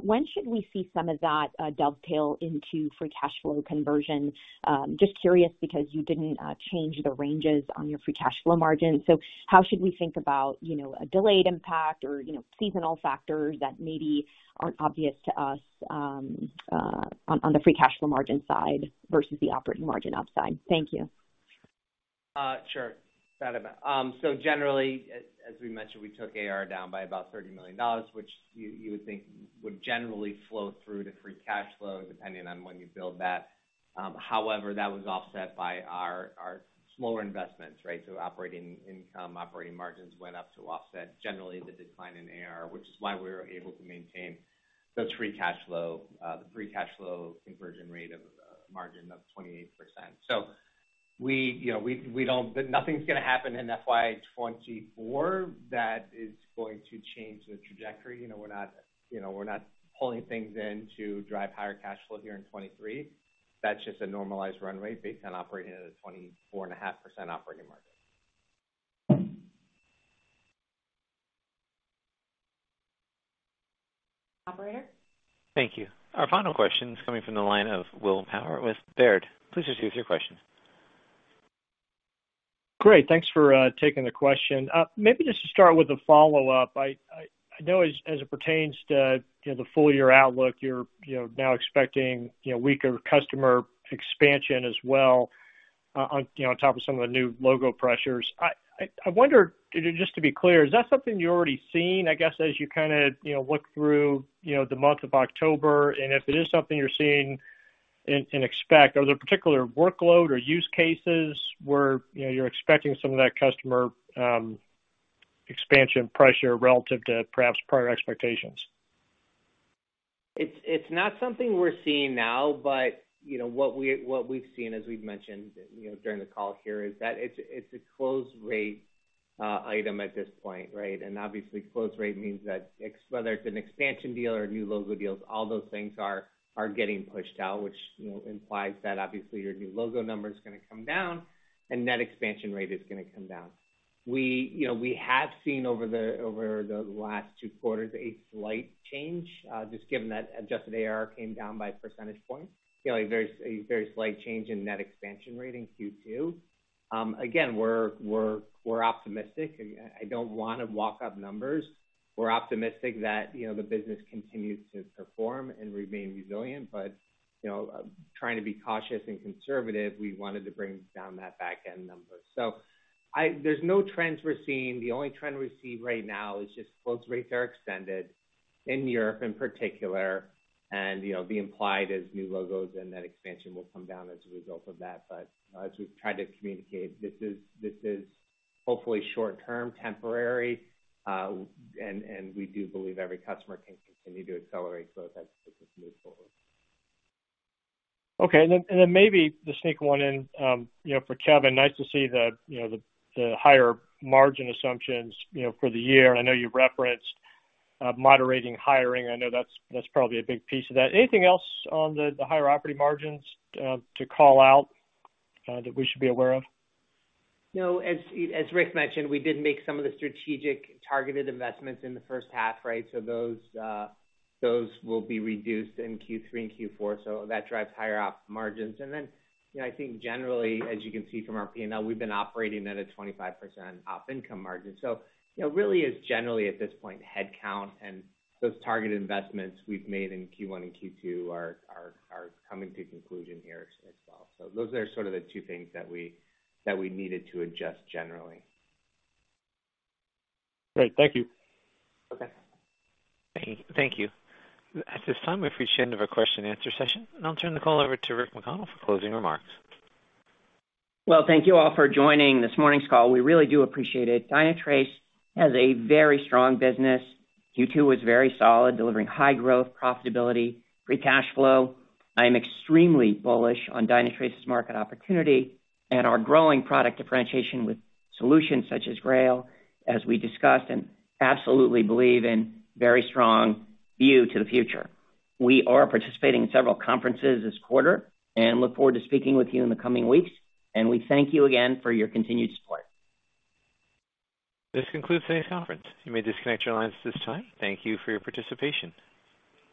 when should we see some of that dovetail into free cash flow conversion? Just curious because you didn't change the ranges on your free cash flow margin. How should we think about, you know, a delayed impact or, you know, seasonal factors that maybe aren't obvious to us on the free cash flow margin side versus the operating margin upside? Thank you. Sure, Fatima. Generally, as we mentioned, we took AR down by about $30 million, which you would think would generally flow through to free cash flow depending on when you build that. However, that was offset by our slower investments, right? Operating income, operating margins went up to offset generally the decline in AR, which is why we were able to maintain the free cash flow, the free cash flow conversion rate of margin of 28%. Nothing's going to happen in FY 2024 that is going to change the trajectory. You know, we're not pulling things in to drive higher cash flow here in 2023. That's just a normalized runway based on operating at a 24.5% operating margin. Operator. Thank you. Our final question is coming from the line of Will Power with Baird. Please proceed with your question. Great. Thanks for taking the question. Maybe just to start with a follow-up. I know as it pertains to, you know, the full year outlook, you're, you know, now expecting, you know, weaker customer expansion as well. On top of some of the new logo pressures. I wonder, just to be clear, is that something you're already seeing, I guess, as you kind of, you know, look through, you know, the month of October? If it is something you're seeing and expect, are there particular workload or use cases where, you know, you're expecting some of that customer expansion pressure relative to perhaps prior expectations? It's not something we're seeing now, but you know, what we've seen, as we've mentioned, you know, during the call here, is that it's a close rate item at this point, right? Obviously close rate means that whether it's an expansion deal or a new logo deals, all those things are getting pushed out, which you know, implies that obviously your new logo number is going to come down and net expansion rate is going to come down. You know, we have seen over the last two quarters a slight change just given that adjusted ARR came down by a percentage point, you know, a very slight change in net expansion rate in Q2. Again, we're optimistic. I don't want to walk up numbers. We're optimistic that, you know, the business continues to perform and remain resilient. You know, trying to be cautious and conservative, we wanted to bring down that back-end number. There's no trends we're seeing. The only trend we're seeing right now is just close rates are extended in Europe in particular. You know, the implied is new logos and net expansion will come down as a result of that. As we've tried to communicate, this is hopefully short term temporary. We do believe every customer can continue to accelerate both as the business move forward. Okay. Maybe just sneak one in, you know, for Kevin. Nice to see the higher margin assumptions, you know, for the year. I know you referenced moderating hiring. I know that's probably a big piece of that. Anything else on the higher operating margins to call out that we should be aware of? No. As Rick mentioned, we did make some of the strategic targeted investments in the H1, right? Those will be reduced in Q3 and Q4. That drives higher op margins. Then, you know, I think generally, as you can see from our P&L, we've been operating at a 25% op income margin. You know, really is generally at this point, headcount and those targeted investments we've made in Q1 and Q2 are coming to conclusion here as well. Those are sort of the two things that we needed to adjust generally. Great. Thank you. Okay. Thank you. At this time, we've reached the end of our question-and answer session, and I'll turn the call over to Rick McConnell for closing remarks. Well, thank you all for joining this morning's call. We really do appreciate it. Dynatrace has a very strong business. Q2 was very solid, delivering high growth, profitability, free cash flow. I'm extremely bullish on Dynatrace's market opportunity and our growing product differentiation with solutions such as Grail, as we discussed, and absolutely believe in very strong view to the future. We are participating in several conferences this quarter and look forward to speaking with you in the coming weeks. We thank you again for your continued support. This concludes today's conference. You may disconnect your lines at this time. Thank you for your participation.